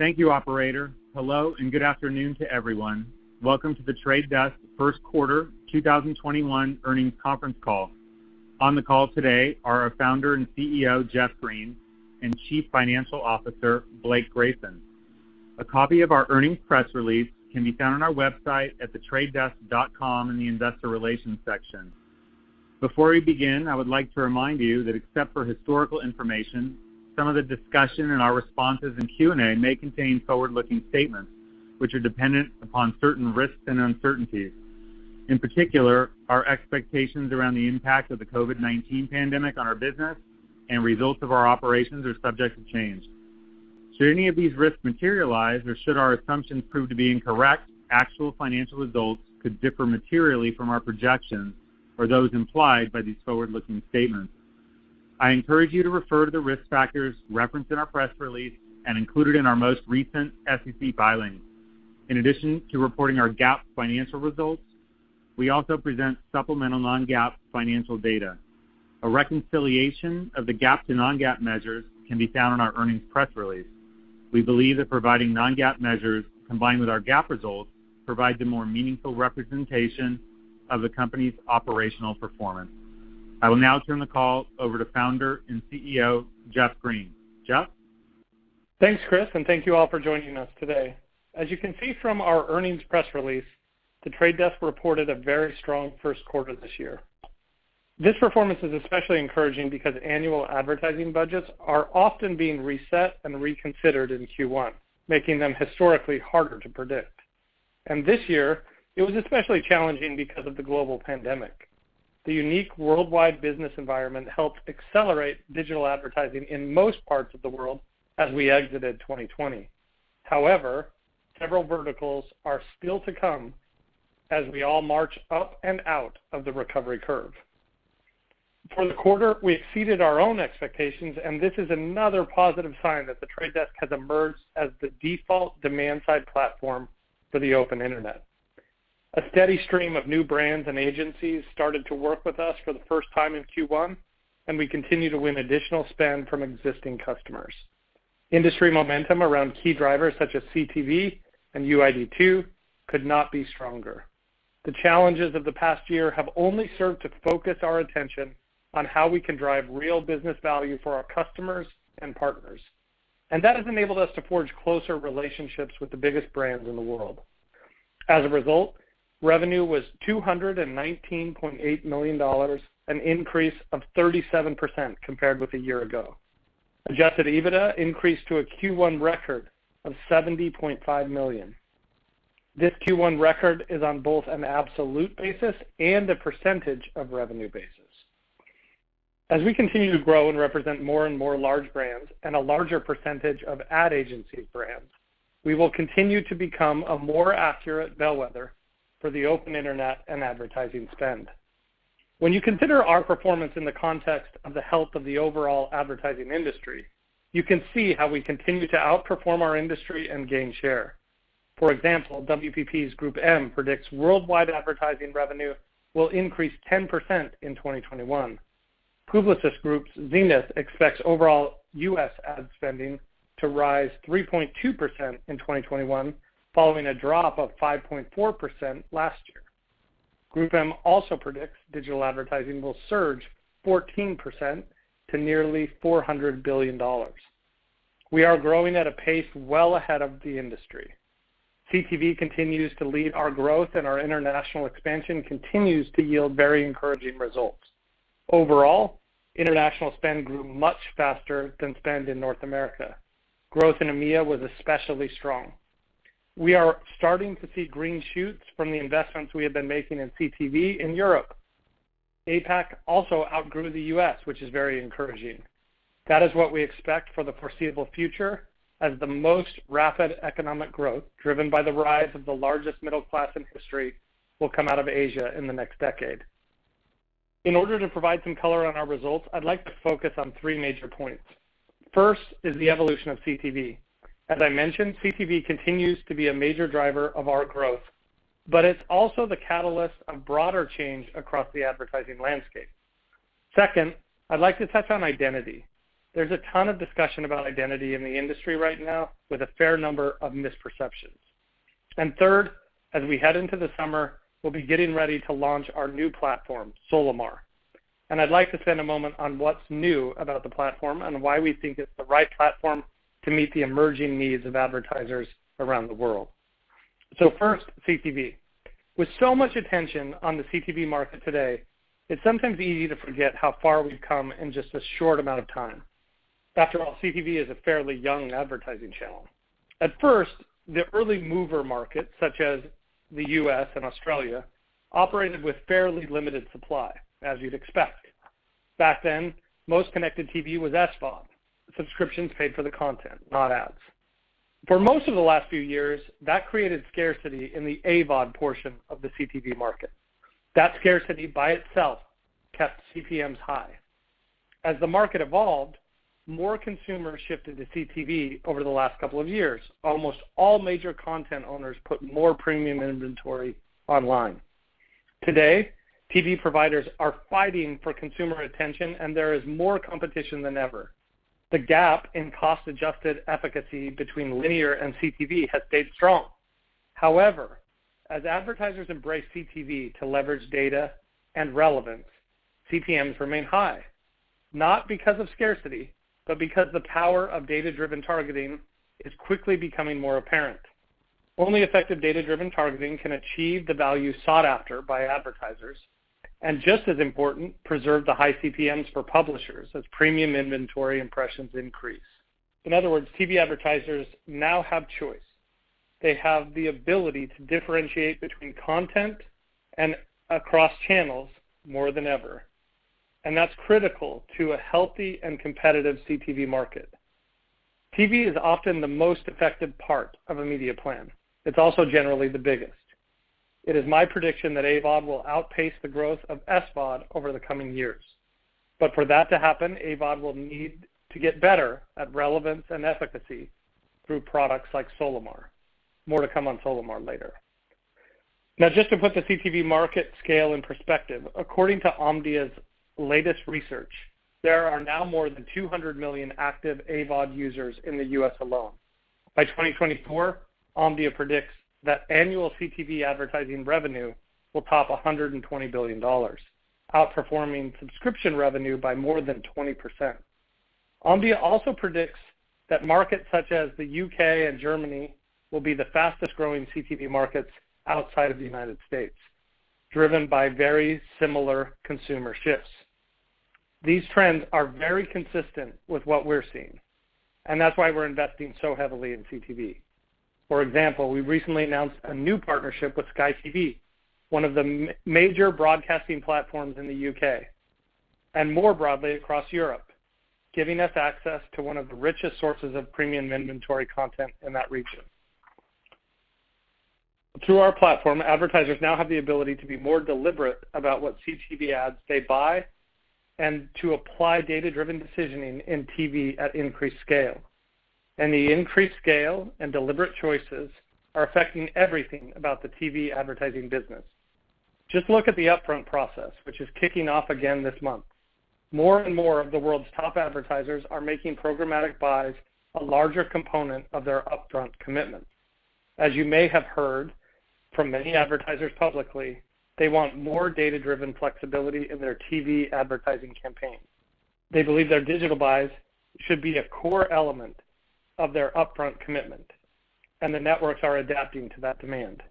Hello, and good afternoon to everyone. Welcome to The Trade Desk first quarter 2021 earnings conference call. On the call today are our founder and CEO, Jeff Green, and Chief Financial Officer, Blake Grayson. A copy of our earnings press release can be found on our website at thetradedesk.com in the Investor Relations section. Before we begin, I would like to remind you that except for historical information, some of the discussion and our responses in Q&A may contain forward-looking statements, which are dependent upon certain risks and uncertainties. In particular, our expectations around the impact of the COVID-19 pandemic on our business and results of our operations are subject to change. Should any of these risks materialize or should our assumptions prove to be incorrect, actual financial results could differ materially from our projections or those implied by these forward-looking statements. I encourage you to refer to the risk factors referenced in our press release and included in our most recent SEC filings. In addition to reporting our GAAP financial results, we also present supplemental non-GAAP financial data. A reconciliation of the GAAP to non-GAAP measures can be found on our earnings press release. We believe that providing non-GAAP measures combined with our GAAP results provides a more meaningful representation of the company's operational performance. I will now turn the call over to Founder and CEO, Jeff Green. Jeff? Thanks, Chris. Thank you all for joining us today. As you can see from our earnings press release, The Trade Desk reported a very strong first quarter this year. This performance is especially encouraging because annual advertising budgets are often being reset and reconsidered in Q1, making them historically harder to predict. This year, it was especially challenging because of the global pandemic. The unique worldwide business environment helped accelerate digital advertising in most parts of the world as we exited 2020. However, several verticals are still to come as we all march up and out of the recovery curve. For the quarter, we exceeded our own expectations, and this is another positive sign that The Trade Desk has emerged as the default demand-side platform for the open internet. A steady stream of new brands and agencies started to work with us for the first time in Q1, and we continue to win additional spend from existing customers. Industry momentum around key drivers such as CTV and UID2 could not be stronger. The challenges of the past year have only served to focus our attention on how we can drive real business value for our customers and partners. That has enabled us to forge closer relationships with the biggest brands in the world. As a result, revenue was $219.8 million, an increase of 37% compared with a year ago. Adjusted EBITDA increased to a Q1 record of $70.5 million. This Q1 record is on both an absolute basis and a percentage of revenue basis. As we continue to grow and represent more and more large brands and a larger percentage of ad agency brands, we will continue to become a more accurate bellwether for the open internet and advertising spend. When you consider our performance in the context of the health of the overall advertising industry, you can see how we continue to outperform our industry and gain share. For example, WPP's GroupM predicts worldwide advertising revenue will increase 10% in 2021. Publicis Groupe's Zenith expects overall U.S. ad spending to rise 3.2% in 2021, following a drop of 5.4% last year. GroupM also predicts digital advertising will surge 14% to nearly $400 billion. We are growing at a pace well ahead of the industry. CTV continues to lead our growth, and our international expansion continues to yield very encouraging results. Overall, international spend grew much faster than spend in North America. Growth in EMEA was especially strong. We are starting to see green shoots from the investments we have been making in CTV in Europe. APAC also outgrew the U.S., which is very encouraging. That is what we expect for the foreseeable future, as the most rapid economic growth, driven by the rise of the largest middle class in history, will come out of Asia in the next decade. In order to provide some color on our results, I'd like to focus on three major points. First is the evolution of CTV. As I mentioned, CTV continues to be a major driver of our growth, but it's also the catalyst of broader change across the advertising landscape. Second, I'd like to touch on identity. There's a ton of discussion about identity in the industry right now with a fair number of misperceptions. Third, as we head into the summer, we'll be getting ready to launch our new platform, Solimar. I'd like to spend a moment on what's new about the platform and why we think it's the right platform to meet the emerging needs of advertisers around the world. First, CTV. With so much attention on the CTV market today, it's sometimes easy to forget how far we've come in just a short amount of time. After all, CTV is a fairly young advertising channel. At first, the early mover market, such as the U.S. and Australia, operated with fairly limited supply, as you'd expect. Back then, most Connected TV was SVOD. Subscriptions paid for the content, not ads. For most of the last few years, that created scarcity in the AVOD portion of the CTV market. That scarcity by itself kept CPMs high. As the market evolved, more consumers shifted to CTV over the last couple of years. Almost all major content owners put more premium inventory online. Today, TV providers are fighting for consumer attention, and there is more competition than ever. The gap in cost-adjusted efficacy between linear and CTV has stayed strong. However, as advertisers embrace CTV to leverage data and relevance, CPMs remain high, not because of scarcity, but because the power of data-driven targeting is quickly becoming more apparent. Only effective data-driven targeting can achieve the value sought after by advertisers, and just as important, preserve the high CPMs for publishers as premium inventory impressions increase. In other words, TV advertisers now have choice. They have the ability to differentiate between content and across channels more than ever, and that's critical to a healthy and competitive CTV market. TV is often the most effective part of a media plan. It's also generally the biggest. It is my prediction that AVOD will outpace the growth of SVOD over the coming years. For that to happen, AVOD will need to get better at relevance and efficacy through products like Solimar. More to come on Solimar later. Just to put the CTV market scale in perspective, according to Omdia's latest research, there are now more than 200 million active AVOD users in the U.S. alone. By 2024, Omdia predicts that annual CTV advertising revenue will top $120 billion, outperforming subscription revenue by more than 20%. Omdia also predicts that markets such as the U.K. and Germany will be the fastest-growing CTV markets outside of the United States, driven by very similar consumer shifts. These trends are very consistent with what we're seeing, and that's why we're investing so heavily in CTV. For example, we recently announced a new partnership with Sky TV, one of the major broadcasting platforms in the U.K., and more broadly across Europe, giving us access to one of the richest sources of premium inventory content in that region. Through our platform, advertisers now have the ability to be more deliberate about what CTV ads they buy and to apply data-driven decisioning in TV at increased scale. The increased scale and deliberate choices are affecting everything about the TV advertising business. Just look at the upfront process, which is kicking off again this month. More and more of the world's top advertisers are making programmatic buys a larger component of their upfront commitments. As you may have heard from many advertisers publicly, they want more data-driven flexibility in their TV advertising campaigns. They believe their digital buys should be a core element of their upfront commitment, and the networks are adapting to that demand.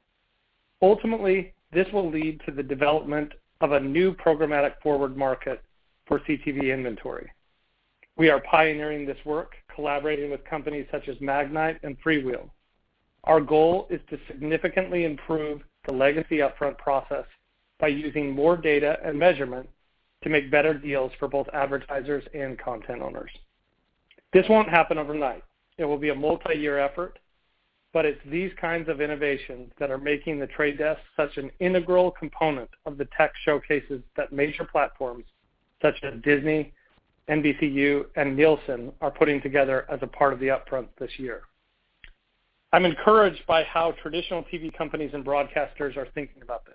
Ultimately, this will lead to the development of a new programmatic forward market for CTV inventory. We are pioneering this work, collaborating with companies such as Magnite and FreeWheel. Our goal is to significantly improve the legacy upfront process by using more data and measurement to make better deals for both advertisers and content owners. This won't happen overnight. It will be a multi-year effort, but it's these kinds of innovations that are making The Trade Desk such an integral component of the tech showcases that major platforms such as Disney, NBCU, and Nielsen are putting together as a part of the upfront this year. I'm encouraged by how traditional TV companies and broadcasters are thinking about this.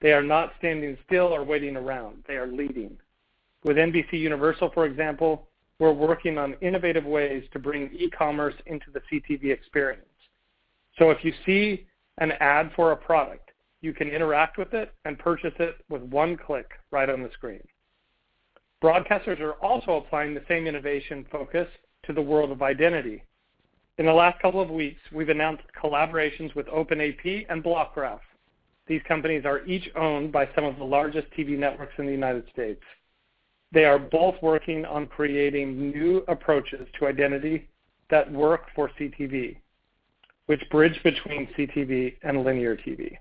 They are not standing still or waiting around. They are leading. With NBCUniversal, for example, we're working on innovative ways to bring e-commerce into the CTV experience. If you see an ad for a product, you can interact with it and purchase it with one click right on the screen. Broadcasters are also applying the same innovation focus to the world of identity. In the last couple of weeks, we've announced collaborations with OpenAP and Blockgraph. These companies are each owned by some of the largest TV networks in the United States. They are both working on creating new approaches to identity that work for CTV, which bridge between CTV and linear TV.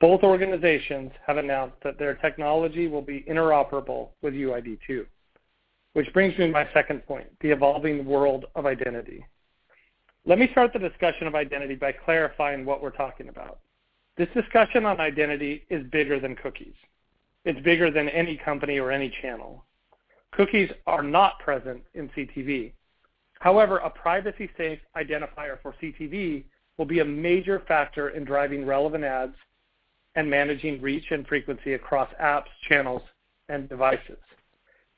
Both organizations have announced that their technology will be interoperable with UID2, which brings me to my second point, the evolving world of identity. Let me start the discussion of identity by clarifying what we're talking about. This discussion on identity is bigger than cookies. It's bigger than any company or any channel. Cookies are not present in CTV. However, a privacy-safe identifier for CTV will be a major factor in driving relevant ads and managing reach and frequency across apps, channels, and devices.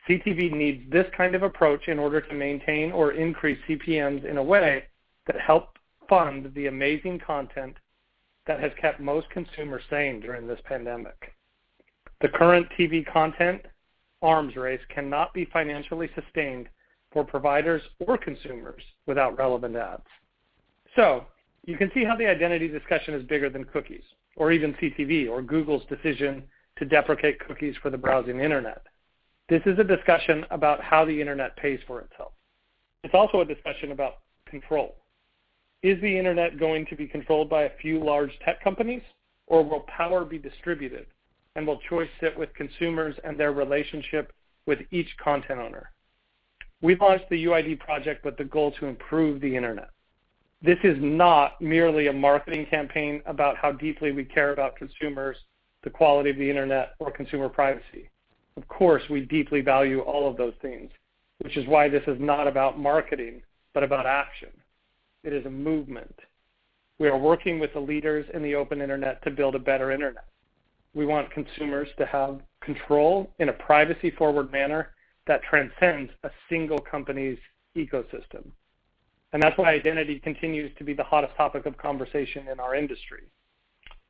CTV needs this kind of approach in order to maintain or increase CPMs in a way that help fund the amazing content that has kept most consumers sane during this pandemic. The current TV content arms race cannot be financially sustained for providers or consumers without relevant ads. You can see how the identity discussion is bigger than cookies, or even CTV, or Google's decision to deprecate cookies for the browsing internet. This is a discussion about how the internet pays for itself. It's also a discussion about control. Is the internet going to be controlled by a few large tech companies, or will power be distributed, and will choice sit with consumers and their relationship with each content owner? We've launched the UID project with the goal to improve the internet. This is not merely a marketing campaign about how deeply we care about consumers, the quality of the internet, or consumer privacy. Of course, we deeply value all of those things, which is why this is not about marketing, but about action. It is a movement. We are working with the leaders in the open internet to build a better internet. We want consumers to have control in a privacy forward manner that transcends a single company's ecosystem. That's why identity continues to be the hottest topic of conversation in our industry.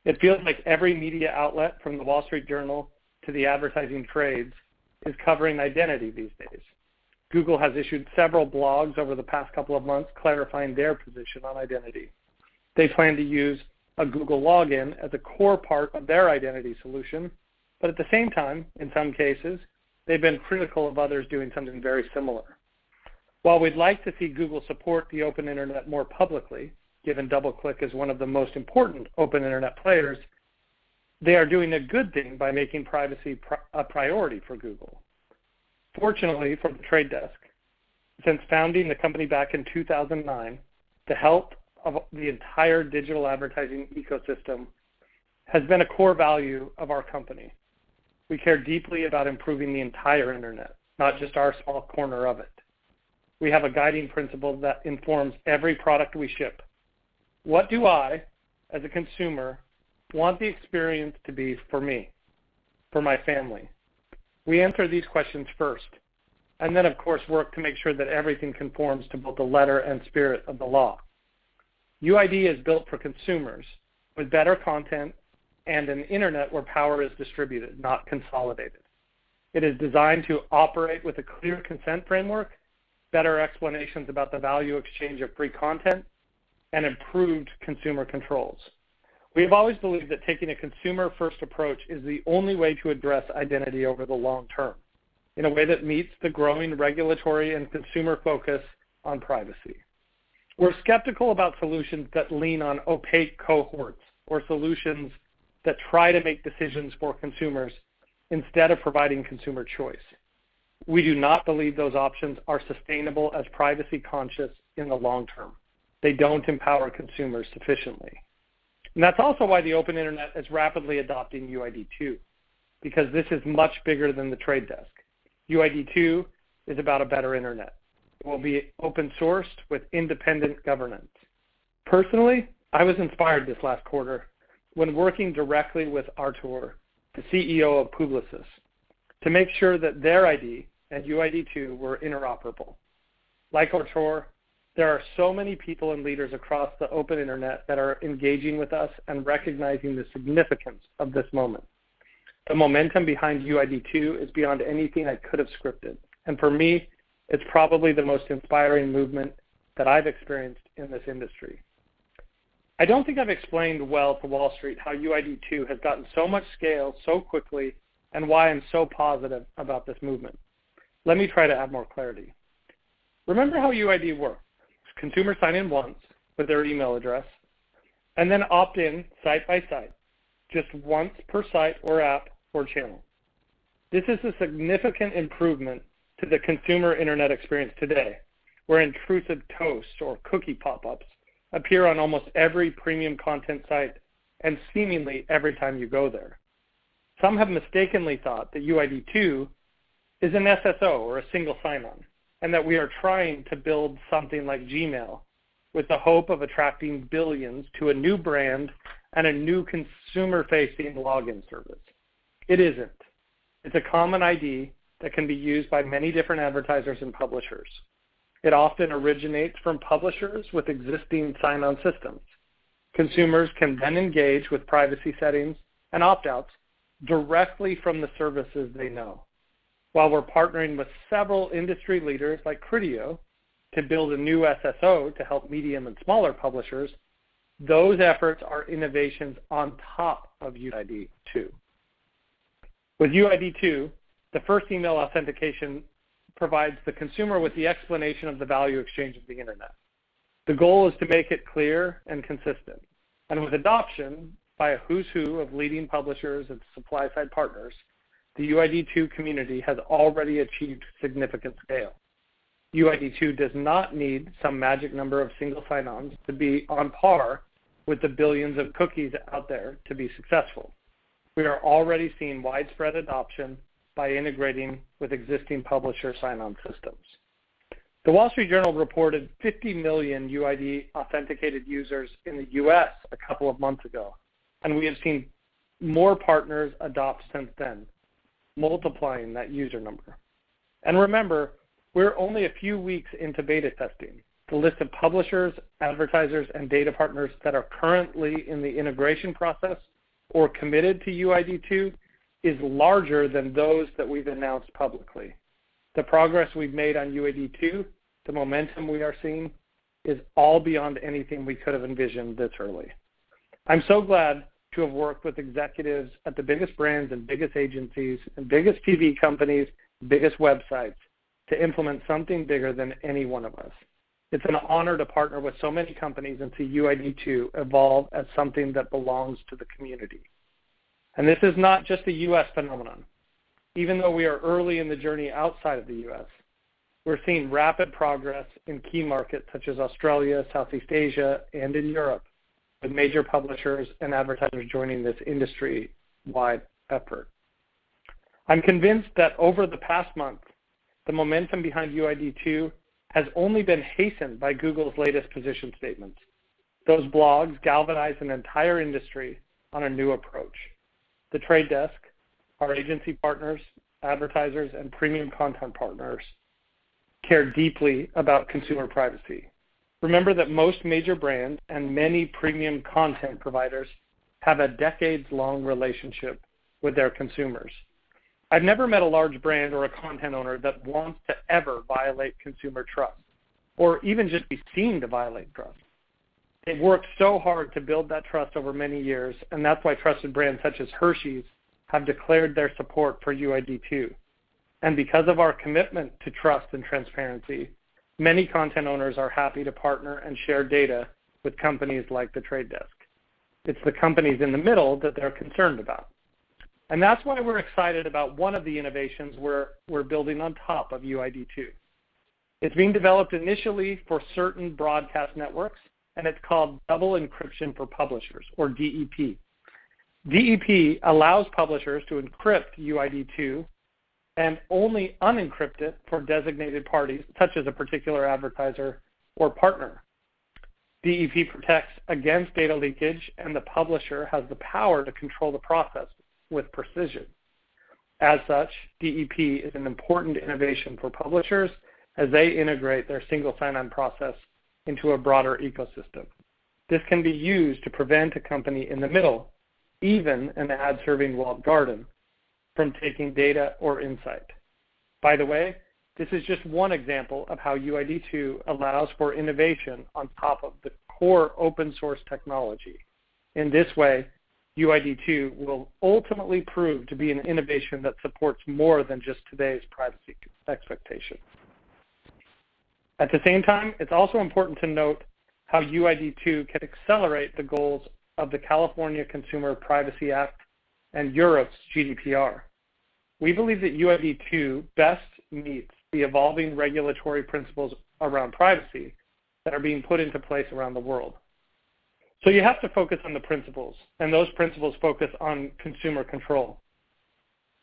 It feels like every media outlet, from The Wall Street Journal to the advertising trades, is covering identity these days. Google has issued several blogs over the past couple of months clarifying their position on identity. They plan to use a Google login as a core part of their identity solution, but at the same time, in some cases, they've been critical of others doing something very similar. While we'd like to see Google support the open internet more publicly, given DoubleClick is one of the most important open internet players, they are doing a good thing by making privacy a priority for Google. Fortunately for The Trade Desk, since founding the company back in 2009, the help of the entire digital advertising ecosystem has been a core value of our company. We care deeply about improving the entire internet, not just our small corner of it. We have a guiding principle that informs every product we ship. What do I, as a consumer, want the experience to be for me, for my family? We answer these questions first, and then, of course, work to make sure that everything conforms to both the letter and spirit of the law. UID is built for consumers with better content and an internet where power is distributed, not consolidated. It is designed to operate with a clear consent framework, better explanations about the value exchange of free content, and improved consumer controls. We have always believed that taking a consumer-first approach is the only way to address identity over the long term in a way that meets the growing regulatory and consumer focus on privacy. We're skeptical about solutions that lean on opaque cohorts or solutions that try to make decisions for consumers instead of providing consumer choice. We do not believe those options are sustainable as privacy conscious in the long term. They don't empower consumers sufficiently. That's also why the open internet is rapidly adopting UID2, because this is much bigger than The Trade Desk. UID2 is about a better internet. It will be open sourced with independent governance. Personally, I was inspired this last quarter when working directly with Arthur Sadoun, the CEO of Publicis, to make sure that their ID and UID2 were interoperable. Like Arthur, there are so many people and leaders across the open internet that are engaging with us and recognizing the significance of this moment. The momentum behind UID2 is beyond anything I could have scripted, and for me, it's probably the most inspiring movement that I've experienced in this industry. I don't think I've explained well to Wall Street how UID2 has gotten so much scale so quickly, and why I'm so positive about this movement. Let me try to add more clarity. Remember how UID works. Consumers sign in once with their email address and then opt in site by site, just once per site or app or channel. This is a significant improvement to the consumer internet experience today, where intrusive toast or cookie pop-ups appear on almost every premium content site and seemingly every time you go there. Some have mistakenly thought that UID2 is an SSO or a single sign-on, and that we are trying to build something like Gmail with the hope of attracting billions to a new brand and a new consumer-facing login service. It isn't. It's a common ID that can be used by many different advertisers and publishers. It often originates from publishers with existing sign-on systems. Consumers can then engage with privacy settings and opt-outs directly from the services they know. While we're partnering with several industry leaders like Criteo to build a new SSO to help medium and smaller publishers, those efforts are innovations on top of UID2. With UID2, the first email authentication provides the consumer with the explanation of the value exchange of the internet. The goal is to make it clear and consistent. With adoption by a who's who of leading publishers and supply side partners, the UID2 community has already achieved significant scale. UID2 does not need some magic number of single sign-ons to be on par with the billions of cookies out there to be successful. We are already seeing widespread adoption by integrating with existing publisher sign-on systems. The Wall Street Journal reported 50 million UID authenticated users in the U.S. a couple of months ago. We have seen more partners adopt since then, multiplying that user number. Remember, we're only a few weeks into beta testing. The list of publishers, advertisers, and data partners that are currently in the integration process or committed to UID2 is larger than those that we've announced publicly. The progress we've made on UID2, the momentum we are seeing, is all beyond anything we could have envisioned this early. I'm so glad to have worked with executives at the biggest brands and biggest agencies and biggest TV companies, biggest websites to implement something bigger than any one of us. It's an honor to partner with so many companies and see UID2 evolve as something that belongs to the community. This is not just a U.S. phenomenon. Even though we are early in the journey outside of the U.S., we're seeing rapid progress in key markets such as Australia, Southeast Asia, and in Europe, with major publishers and advertisers joining this industry-wide effort. I'm convinced that over the past month, the momentum behind UID2 has only been hastened by Google's latest position statement. Those blogs galvanized an entire industry on a new approach. The Trade Desk, our agency partners, advertisers, and premium content partners care deeply about consumer privacy. Remember that most major brands and many premium content providers have a decades-long relationship with their consumers. I've never met a large brand or a content owner that wants to ever violate consumer trust or even just be seen to violate trust. They've worked so hard to build that trust over many years, and that's why trusted brands such as Hershey's have declared their support for UID2. Because of our commitment to trust and transparency, many content owners are happy to partner and share data with companies like The Trade Desk. It's the companies in the middle that they're concerned about. That's why we're excited about one of the innovations we're building on top of UID2. It's being developed initially for certain broadcast networks, and it's called Double Encryption for Publishers or DEP. DEP allows publishers to encrypt UID2 and only unencrypt it for designated parties, such as a particular advertiser or partner. DEP protects against data leakage, the publisher has the power to control the process with precision. As such, DEP is an important innovation for publishers as they integrate their single sign-on process into a broader ecosystem. This can be used to prevent a company in the middle, even in the ad serving walled garden, from taking data or insight. By the way, this is just one example of how UID2 allows for innovation on top of the core open source technology. In this way, UID2 will ultimately prove to be an innovation that supports more than just today's privacy expectations. At the same time, it's also important to note how UID2 can accelerate the goals of the California Consumer Privacy Act and Europe's GDPR. We believe that UID2 best meets the evolving regulatory principles around privacy that are being put into place around the world. You have to focus on the principles, and those principles focus on consumer control,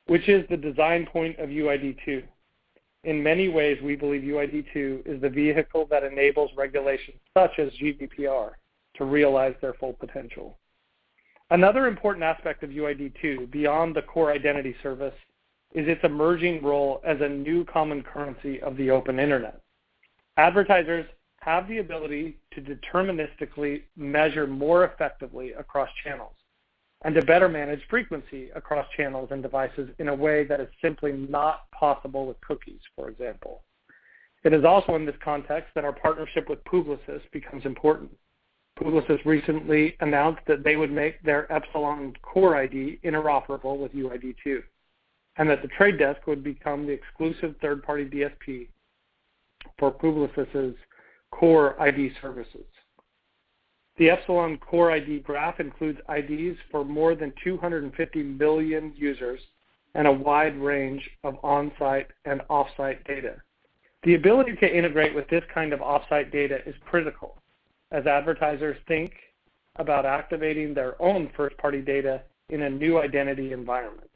which is the design point of UID2. In many ways, we believe UID2 is the vehicle that enables regulations such as GDPR to realize their full potential. Another important aspect of UID2 beyond the core identity service is its emerging role as a new common currency of the open internet. Advertisers have the ability to deterministically measure more effectively across channels and to better manage frequency across channels and devices in a way that is simply not possible with cookies, for example. It is also in this context that our partnership with Publicis becomes important. Publicis recently announced that they would make their Epsilon CORE ID interoperable with UID2, and that The Trade Desk would become the exclusive third-party DSP for Publicis' CORE ID services. The Epsilon CORE ID graph includes IDs for more than 250 million users and a wide range of on-site and off-site data. The ability to integrate with this kind of offsite data is critical as advertisers think about activating their own first-party data in a new identity environment.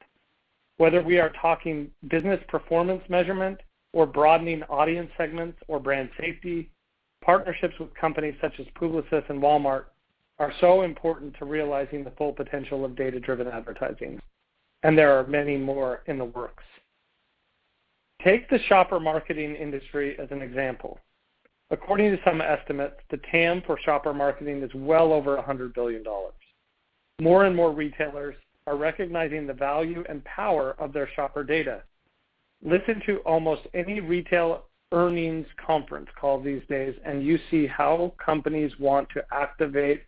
Whether we are talking business performance measurement or broadening audience segments or brand safety, partnerships with companies such as Publicis and Walmart are so important to realizing the full potential of data-driven advertising, and there are many more in the works. Take the shopper marketing industry as an example. According to some estimates, the TAM for shopper marketing is well over $100 billion. More and more retailers are recognizing the value and power of their shopper data. Listen to almost any retail earnings conference call these days, and you see how companies want to activate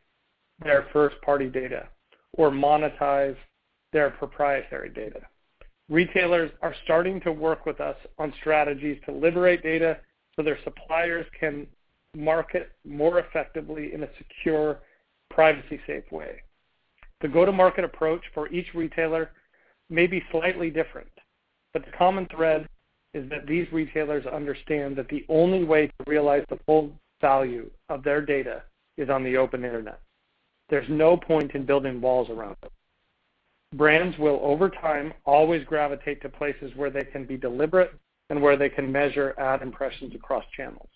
their first-party data or monetize their proprietary data. Retailers are starting to work with us on strategies to liberate data so their suppliers can market more effectively in a secure, privacy-safe way. The go-to-market approach for each retailer may be slightly different, but the common thread is that these retailers understand that the only way to realize the full value of their data is on the open internet. There's no point in building walls around it. Brands will, over time, always gravitate to places where they can be deliberate and where they can measure ad impressions across channels.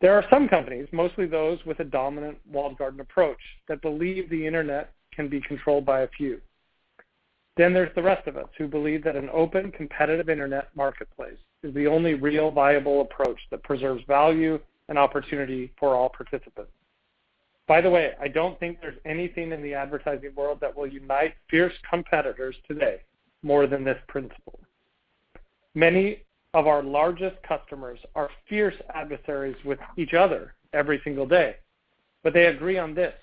There are some companies, mostly those with a dominant walled garden approach, that believe the internet can be controlled by a few. There's the rest of us who believe that an open, competitive internet marketplace is the only real viable approach that preserves value and opportunity for all participants. By the way, I don't think there's anything in the advertising world that will unite fierce competitors today more than this principle. Many of our largest customers are fierce adversaries with each other every single day, but they agree on this,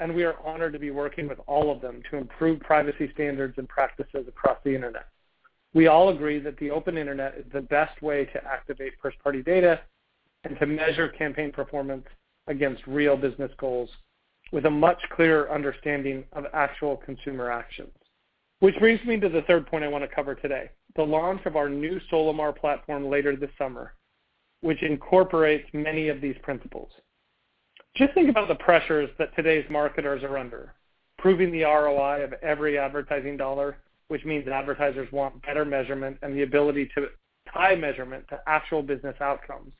and we are honored to be working with all of them to improve privacy standards and practices across the internet. We all agree that the open internet is the best way to activate first-party data and to measure campaign performance against real business goals with a much clearer understanding of actual consumer actions. This brings me to the third point I want to cover today, the launch of our new Solimar platform later this summer, which incorporates many of these principles. Just think about the pressures that today's marketers are under. Proving the ROI of every advertising dollar, which means that advertisers want better measurement and the ability to tie measurement to actual business outcomes,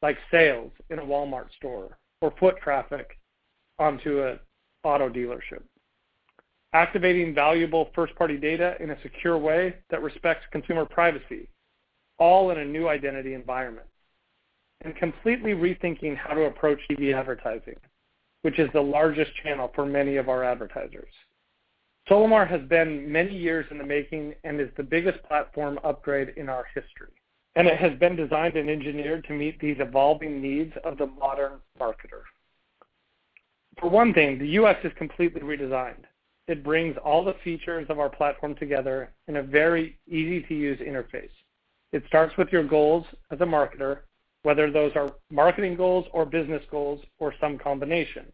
like sales in a Walmart store or foot traffic onto an auto dealership. Activating valuable first-party data in a secure way that respects consumer privacy, all in a new identity environment. Completely rethinking how to approach TV advertising, which is the largest channel for many of our advertisers. Solimar has been many years in the making and is the biggest platform upgrade in our history, and it has been designed and engineered to meet these evolving needs of the modern marketer. For one thing, the UX is completely redesigned. It brings all the features of our platform together in a very easy-to-use interface. It starts with your goals as a marketer, whether those are marketing goals or business goals or some combination.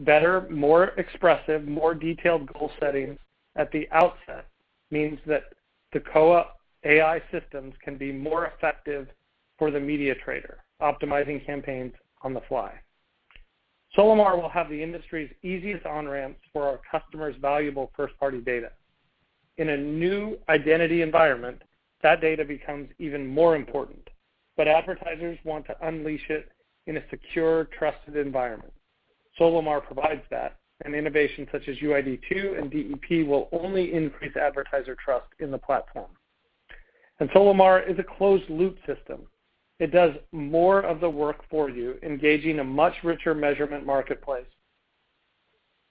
Better, more expressive, more detailed goal settings at the outset means that the Koa AI systems can be more effective for the media trader optimizing campaigns on the fly. Solimar will have the industry's easiest on-ramps for our customers' valuable first-party data. In a new identity environment, that data becomes even more important. Advertisers want to unleash it in a secure, trusted environment. Solimar provides that, and innovations such as UID2.0 and DEP will only increase advertiser trust in the platform. Solimar is a closed-loop system. It does more of the work for you, engaging a much richer measurement marketplace,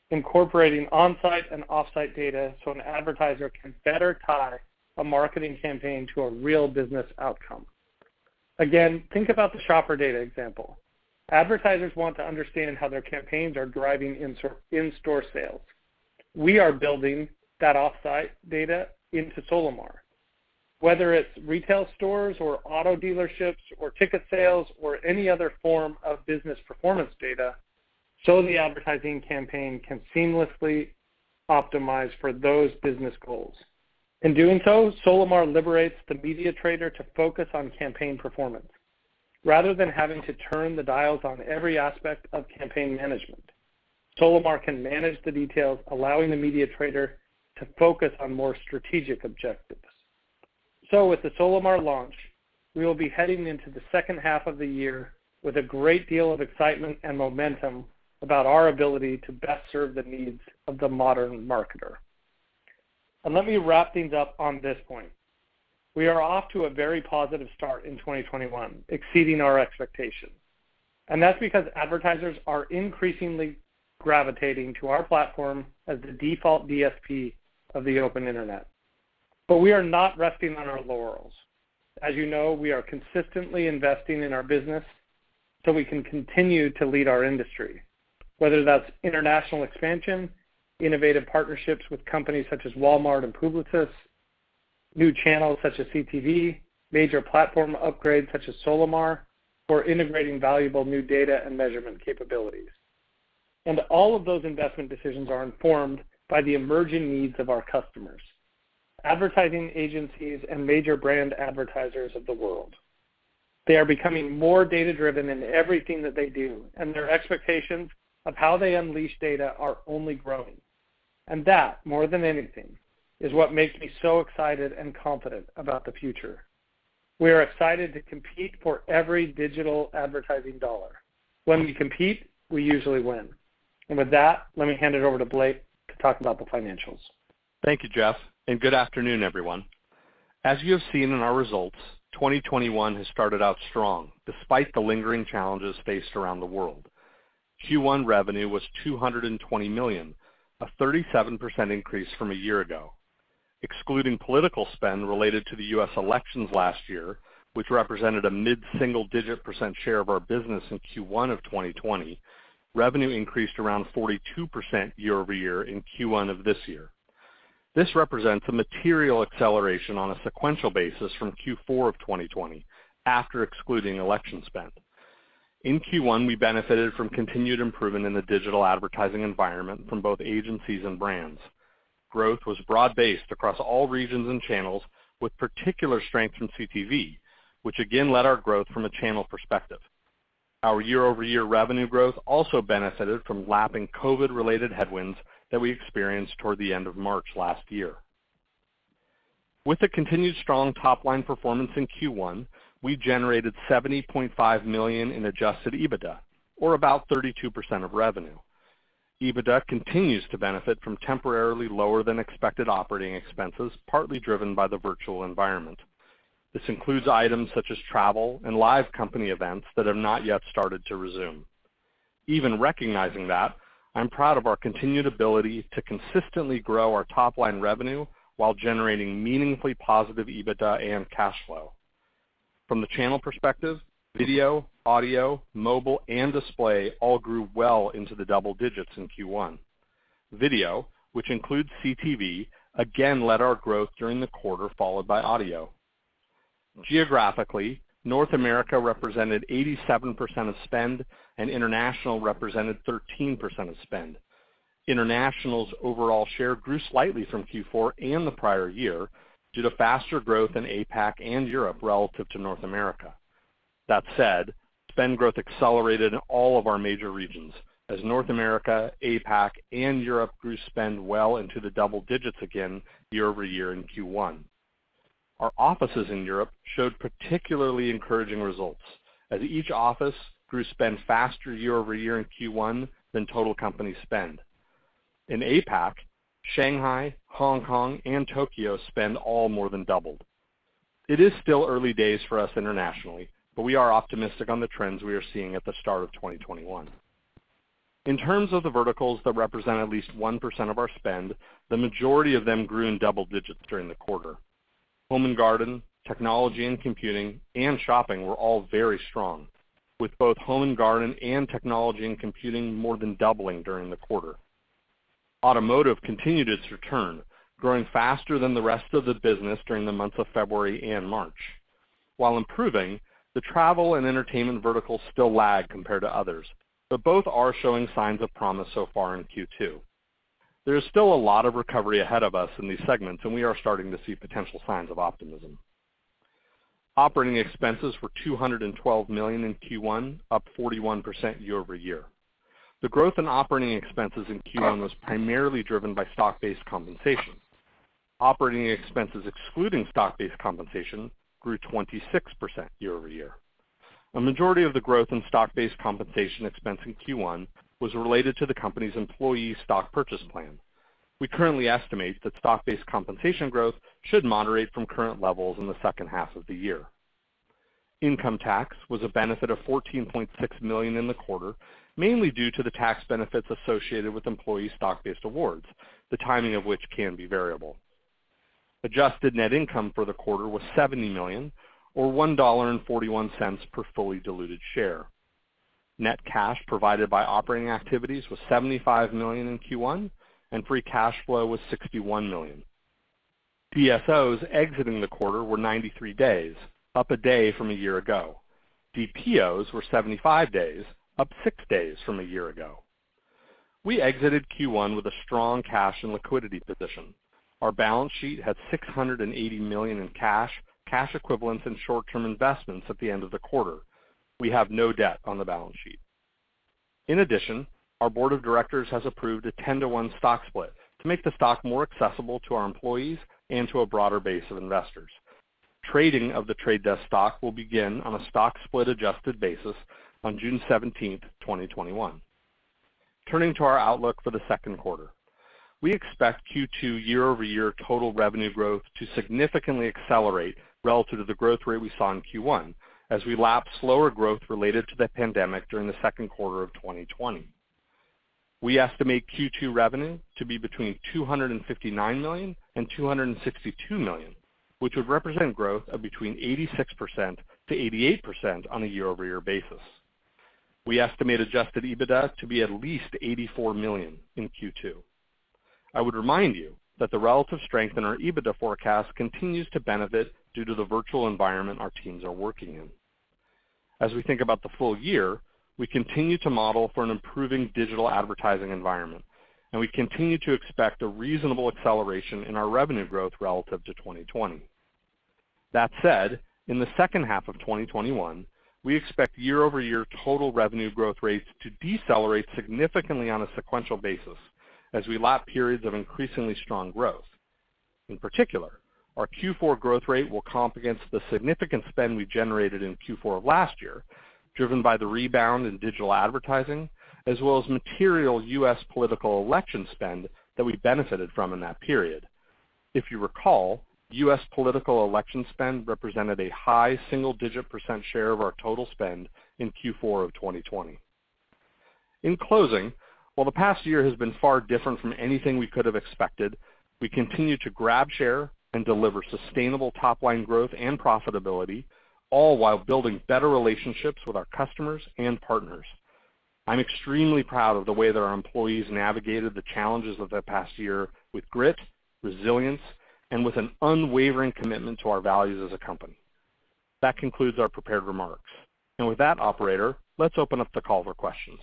incorporating on-site and off-site data so an advertiser can better tie a marketing campaign to a real business outcome. Again, think about the shopper data example. Advertisers want to understand how their campaigns are driving in-store sales. We are building that off-site data into Solimar. Whether it's retail stores or auto dealerships or ticket sales or any other form of business performance data, so the advertising campaign can seamlessly optimize for those business goals. In doing so, Solimar liberates the media trader to focus on campaign performance rather than having to turn the dials on every aspect of campaign management. Solimar can manage the details, allowing the media trader to focus on more strategic objectives. With the Solimar launch, we will be heading into the second half of the year with a great deal of excitement and momentum about our ability to best serve the needs of the modern marketer. Let me wrap things up on this point. We are off to a very positive start in 2021, exceeding our expectations. That's because advertisers are increasingly gravitating to our platform as the default DSP of the open internet. We are not resting on our laurels. As you know, we are consistently investing in our business so we can continue to lead our industry, whether that's international expansion, innovative partnerships with companies such as Walmart and Publicis, new channels such as CTV, major platform upgrades such as Solimar, or integrating valuable new data and measurement capabilities. All of those investment decisions are informed by the emerging needs of our customers, advertising agencies, and major brand advertisers of the world. They are becoming more data-driven in everything that they do, and their expectations of how they unleash data are only growing. That, more than anything, is what makes me so excited and confident about the future. We are excited to compete for every digital advertising dollar. When we compete, we usually win. With that, let me hand it over to Blake to talk about the financials. Thank you, Jeff, good afternoon, everyone. As you have seen in our results, 2021 has started out strong despite the lingering challenges faced around the world. Q1 revenue was $220 million, a 37% increase from a year ago. Excluding political spend related to the U.S. elections last year, which represented a mid-single-digit percent share of our business in Q1 of 2020, revenue increased around 42% year-over-year in Q1 of this year. This represents a material acceleration on a sequential basis from Q4 of 2020, after excluding election spend. In Q1, we benefited from continued improvement in the digital advertising environment from both agencies and brands. Growth was broad-based across all regions and channels with particular strength from CTV, which again led our growth from a channel perspective. Our year-over-year revenue growth also benefited from lapping COVID-related headwinds that we experienced toward the end of March last year. With the continued strong top-line performance in Q1, we generated $70.5 million in adjusted EBITDA, or about 32% of revenue. EBITDA continues to benefit from temporarily lower than expected operating expenses, partly driven by the virtual environment. This includes items such as travel and live company events that have not yet started to resume. Even recognizing that, I'm proud of our continued ability to consistently grow our top-line revenue while generating meaningfully positive EBITDA and cash flow. From the channel perspective, video, audio, mobile, and display all grew well into the double digits in Q1. Video, which includes CTV, again led our growth during the quarter, followed by audio. Geographically, North America represented 87% of spend and international represented 13% of spend. International's overall share grew slightly from Q4 and the prior year due to faster growth in APAC and Europe relative to North America. That said, spend growth accelerated in all of our major regions as North America, APAC, and Europe grew spend well into the double digits again year-over-year in Q1. Our offices in Europe showed particularly encouraging results as each office grew spend faster year-over-year in Q1 than total company spend. In APAC, Shanghai, Hong Kong, and Tokyo spend all more than doubled. We are optimistic on the trends we are seeing at the start of 2021. In terms of the verticals that represent at least 1% of our spend, the majority of them grew in double digits during the quarter. Home and garden, technology and computing, and shopping were all very strong, with both home and garden and technology and computing more than doubling during the quarter. Automotive continued its return, growing faster than the rest of the business during the months of February and March. While improving, the travel and entertainment verticals still lag compared to others, but both are showing signs of promise so far in Q2. There is still a lot of recovery ahead of us in these segments, and we are starting to see potential signs of optimism. Operating expenses were $212 million in Q1, up 41% year-over-year. The growth in operating expenses in Q1 was primarily driven by stock-based compensation. Operating expenses excluding stock-based compensation grew 26% year-over-year. A majority of the growth in stock-based compensation expense in Q1 was related to the company's employee stock purchase plan. We currently estimate that stock-based compensation growth should moderate from current levels in the second half of the year. Income tax was a benefit of $14.6 million in the quarter, mainly due to the tax benefits associated with employee stock-based awards, the timing of which can be variable. Adjusted net income for the quarter was $70 million or $1.41 per fully diluted share. Net cash provided by operating activities was $75 million in Q1. Free cash flow was $61 million. DSOs exiting the quarter were 93 days, up one day from a year ago. DPOs were 75 days, up six days from a year ago. We exited Q1 with a strong cash and liquidity position. Our balance sheet had $680 million in cash equivalents, and short-term investments at the end of the quarter. We have no debt on the balance sheet. In addition, our board of directors has approved a 10-to-1 stock split to make the stock more accessible to our employees and to a broader base of investors. Trading of The Trade Desk stock will begin on a stock split-adjusted basis on June 17th, 2021. Turning to our outlook for the second quarter. We expect Q2 year-over-year total revenue growth to significantly accelerate relative to the growth rate we saw in Q1 as we lap slower growth related to the pandemic during the second quarter of 2020. We estimate Q2 revenue to be between $259 million and $262 million, which would represent growth of between 86%-88% on a year-over-year basis. We estimate adjusted EBITDA to be at least $84 million in Q2. I would remind you that the relative strength in our EBITDA forecast continues to benefit due to the virtual environment our teams are working in. We continue to model for an improving digital advertising environment, and we continue to expect a reasonable acceleration in our revenue growth relative to 2020. That said, in the second half of 2021, we expect year-over-year total revenue growth rates to decelerate significantly on a sequential basis as we lap periods of increasingly strong growth. In particular, our Q4 growth rate will comp against the significant spend we generated in Q4 of last year, driven by the rebound in digital advertising as well as material U.S. political election spend that we benefited from in that period. If you recall, U.S. political election spend represented a high single-digit percent share of our total spend in Q4 of 2020. In closing, while the past year has been far different from anything we could have expected, we continue to grab share and deliver sustainable top-line growth and profitability, all while building better relationships with our customers and partners. I'm extremely proud of the way that our employees navigated the challenges of the past year with grit, resilience, and with an unwavering commitment to our values as a company. That concludes our prepared remarks. With that, operator, let's open up the call for questions.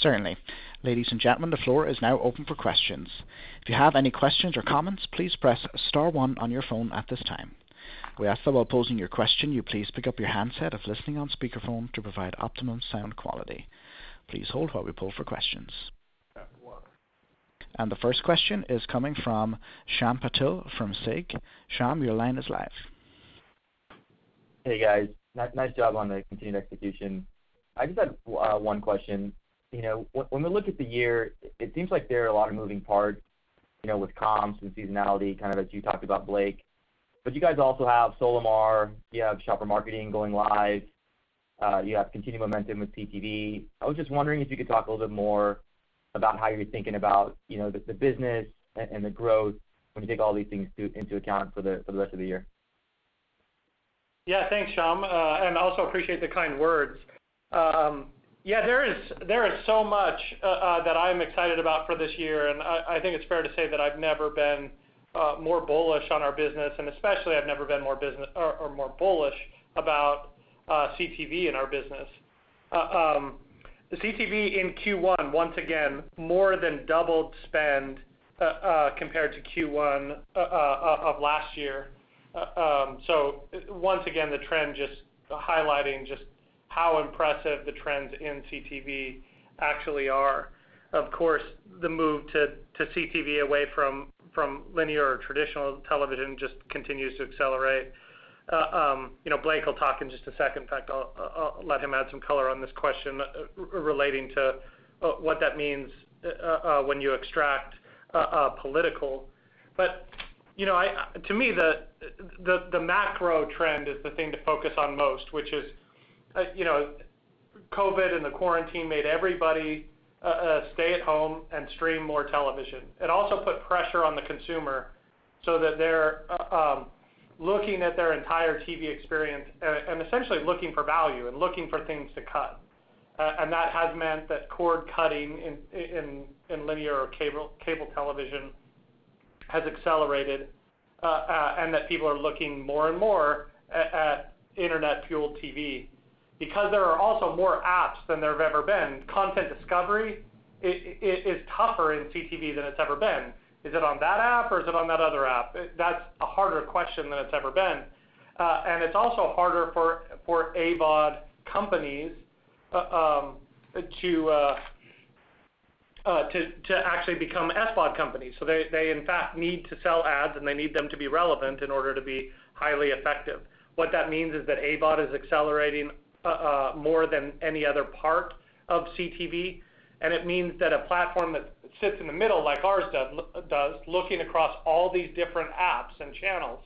Certainly. Ladies and gentlemen, the floor is now open for questions. If you have any questions or comments, please press star one on your phone at this time. We ask that while posing your question, you please pick up your handset if listening on speakerphone to provide optimum sound quality. Please hold while we poll for questions. The first question is coming from Shyam Patil from SIG. Shyam, your line is live. Hey, guys. Nice job on the continued execution. I just had one question. When we look at the year, it seems like there are a lot of moving parts, with comps and seasonality, kind of as you talked about, Blake. You guys also have Solimar, you have shopper marketing going live, you have continued momentum with TTD. I was just wondering if you could talk a little bit more about how you're thinking about the business and the growth when you take all these things into account for the rest of the year? Yeah. Thanks, Shyam, and I also appreciate the kind words. Yeah, there is so much that I'm excited about for this year, and I think it's fair to say that I've never been more bullish on our business, especially about CTV in our business. The CTV in Q1, once again, more than doubled spend compared to Q1 of last year. Once again, the trend just highlighting just how impressive the trends in CTV actually are. Of course, the move to CTV away from linear or traditional television just continues to accelerate. Blake will talk in just a second. In fact, I'll let him add some color on this question relating to what that means when you extract political. To me, the macro trend is the thing to focus on most, which is COVID-19 and the quarantine made everybody stay at home and stream more television. It also put pressure on the consumer so that they're looking at their entire TV experience and essentially looking for value and looking for things to cut. That has meant that cord-cutting in linear or cable television has accelerated, and that people are looking more and more at internet-fueled TV. There are also more apps than there have ever been, content discovery is tougher in CTV than it's ever been. Is it on that app, or is it on that other app? That's a harder question than it's ever been. It's also harder for AVOD companies to actually become SVOD companies. They, in fact, need to sell ads, and they need them to be relevant in order to be highly effective. What that means is that AVOD is accelerating more than any other part of CTV. It means that a platform that sits in the middle, like ours does, looking across all these different apps and channels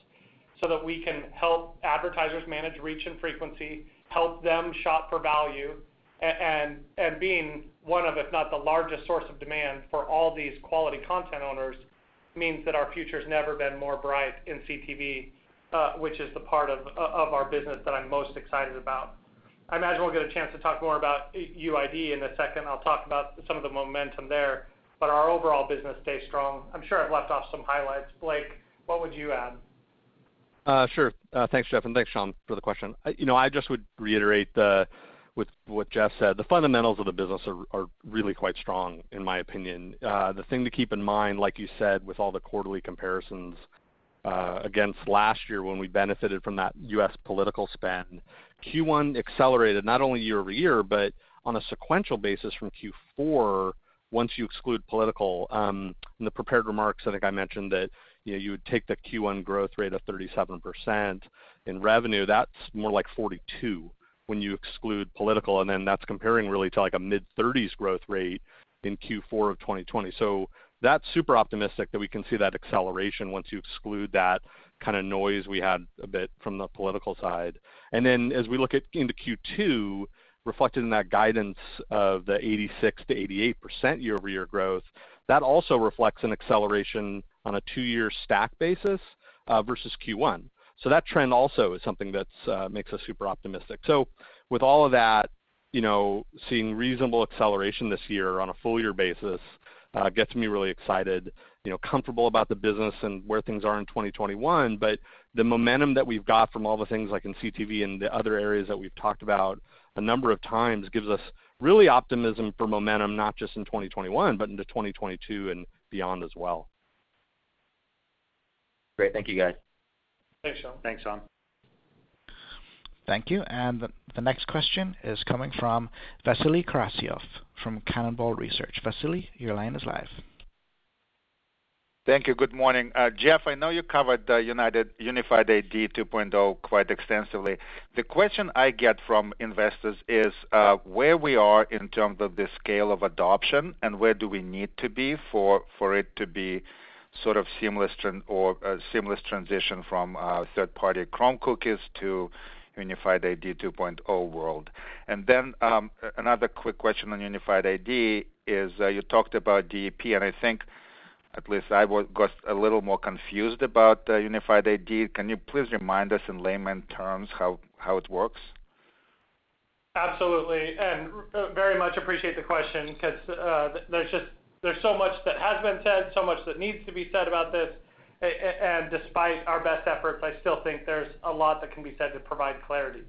so that we can help advertisers manage reach and frequency, help them shop for value, and being one of, if not the largest source of demand for all these quality content owners, means that our future's never been more bright in CTV, which is the part of our business that I'm most excited about. I imagine we'll get a chance to talk more about UID in a second. I'll talk about some of the momentum there. Our overall business stays strong. I'm sure I've left off some highlights. Blake, what would you add? Sure. Thanks, Jeff, and thanks, Shyam, for the question. I just would reiterate with what Jeff said. The fundamentals of the business are really quite strong, in my opinion. The thing to keep in mind, like you said, with all the quarterly comparisons against last year when we benefited from that U.S. political spend, Q1 accelerated not only year-over-year, but on a sequential basis from Q4 once you exclude political. In the prepared remarks, I think I mentioned that you would take the Q1 growth rate of 37% in revenue. That's more like 42% when you exclude political, and then that's comparing really to like a mid-30% growth rate in Q4 of 2020. That's super optimistic that we can see that acceleration once you exclude that kind of noise we had a bit from the political side. As we look into Q2, reflected in that guidance of the 86%-88% year-over-year growth, that also reflects an acceleration on a two-year stack basis versus Q1. That trend also is something that makes us super optimistic. With all of that, seeing reasonable acceleration this year on a full-year basis gets me really excited, comfortable about the business and where things are in 2021. The momentum that we've got from all the things like in CTV and the other areas that we've talked about a number of times gives us really optimism for momentum, not just in 2021, but into 2022 and beyond as well. Great. Thank you, guys. Thanks, Shyam. Thanks, Shyam. Thank you. The next question is coming from Vasily Karasyov from Cannonball Research. Vasily, your line is live. Thank you. Good morning. Jeff, I know you covered the Unified ID 2.0 quite extensively. The question I get from investors is where we are in terms of the scale of adoption, and where do we need to be for it to be sort of seamless transition from third-party Chrome cookies to Unified ID 2.0 world? Another quick question on Unified ID is you talked about DEP, and I think at least I got a little more confused about Unified ID. Can you please remind us in layman terms how it works? Absolutely. Very much appreciate the question because there's so much that has been said, so much that needs to be said about this. Despite our best efforts, I still think there's a lot that can be said to provide clarity.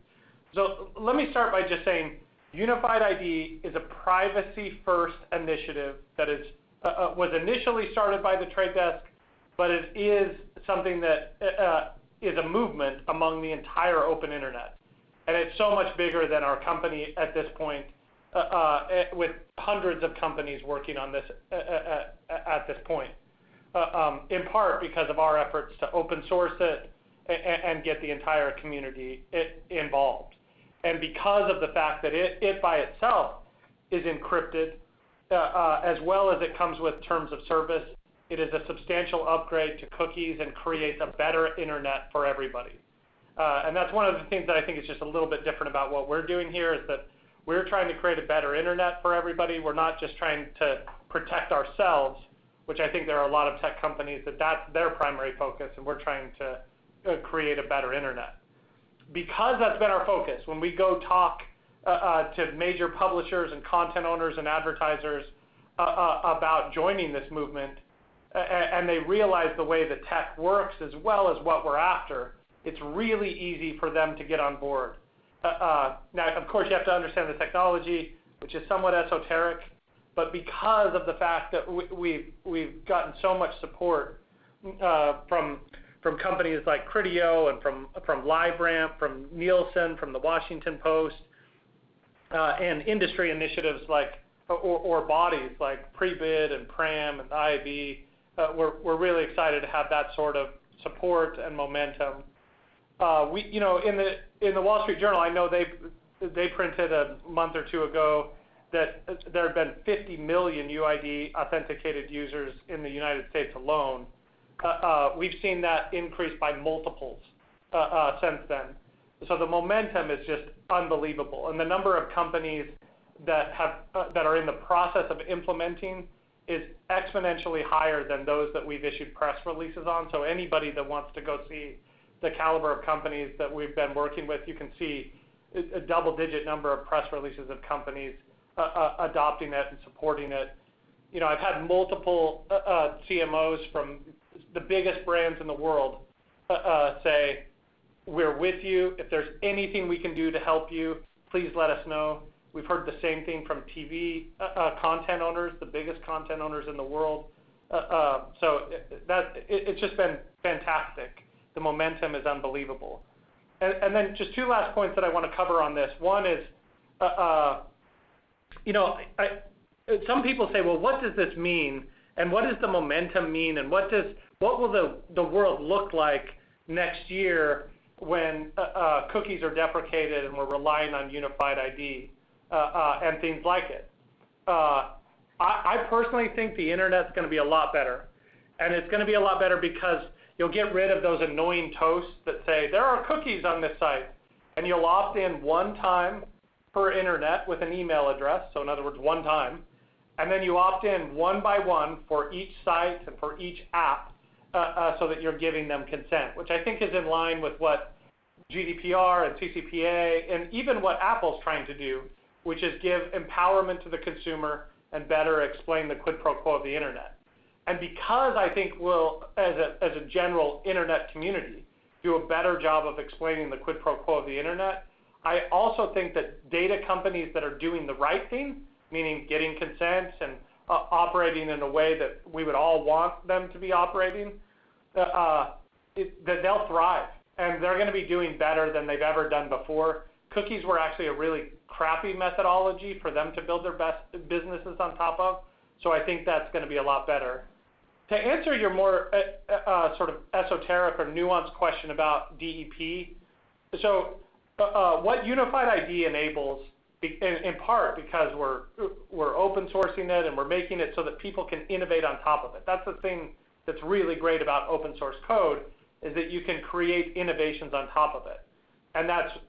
Let me start by just saying Unified ID is a privacy-first initiative that was initially started by The Trade Desk, but it is something that is a movement among the entire open internet. It's so much bigger than our company at this point with hundreds of companies working on this at this point, in part because of our efforts to open source it and get the entire community involved. Because of the fact that it by itself is encrypted, as well as it comes with terms of service, it is a substantial upgrade to cookies and creates a better internet for everybody. That's one of the things that I think is just a little bit different about what we're doing here is that we're trying to create a better internet for everybody. We're not just trying to protect ourselves, which I think there are a lot of tech companies that that's their primary focus, and we're trying to create a better internet. That's been our focus, when we go talk to major publishers and content owners and advertisers about joining this movement. They realize the way the tech works, as well as what we're after, it's really easy for them to get on board. Of course, you have to understand the technology, which is somewhat esoteric, but because of the fact that we've gotten so much support from companies like Criteo and from LiveRamp, from Nielsen, from The Washington Post, and industry initiatives or bodies like Prebid and PRAM and IAB, we're really excited to have that sort of support and momentum. In The Wall Street Journal, I know they printed a month or two ago that there have been 50 million UID authenticated users in the U.S. alone. We've seen that increase by multiples since then. The momentum is just unbelievable, and the number of companies that are in the process of implementing is exponentially higher than those that we've issued press releases on. Anybody that wants to go see the caliber of companies that we've been working with, you can see a double-digit number of press releases of companies adopting it and supporting it. I've had multiple CMOs from the biggest brands in the world say, "We're with you. If there's anything we can do to help you, please let us know." We've heard the same thing from TV content owners, the biggest content owners in the world. It's just been fantastic. The momentum is unbelievable. Then just two last points that I want to cover on this. One is, some people say, "Well, what does this mean? What does the momentum mean? What will the world look like next year when cookies are deprecated and we're relying on Unified ID and things like it? I personally think the internet's going to be a lot better, it's going to be a lot better because you'll get rid of those annoying toasts that say, "There are cookies on this site." You'll opt in one time per internet with an email address, so in other words, one time, then you opt in one by one for each site and for each app so that you're giving them consent, which I think is in line with what GDPR and CCPA and even what Apple's trying to do, which is give empowerment to the consumer and better explain the quid pro quo of the internet. Because I think we'll, as a general internet community, do a better job of explaining the quid pro quo of the internet, I also think that data companies that are doing the right thing, meaning getting consents and operating in a way that we would all want them to be operating, that they'll thrive, and they're going to be doing better than they've ever done before. Cookies were actually a really crappy methodology for them to build their best businesses on top of. I think that's going to be a lot better. To answer your more sort of esoteric or nuanced question about DEP. What Unified ID enables, in part because we're open sourcing it and we're making it so that people can innovate on top of it. That's the thing that's really great about open source code is that you can create innovations on top of it.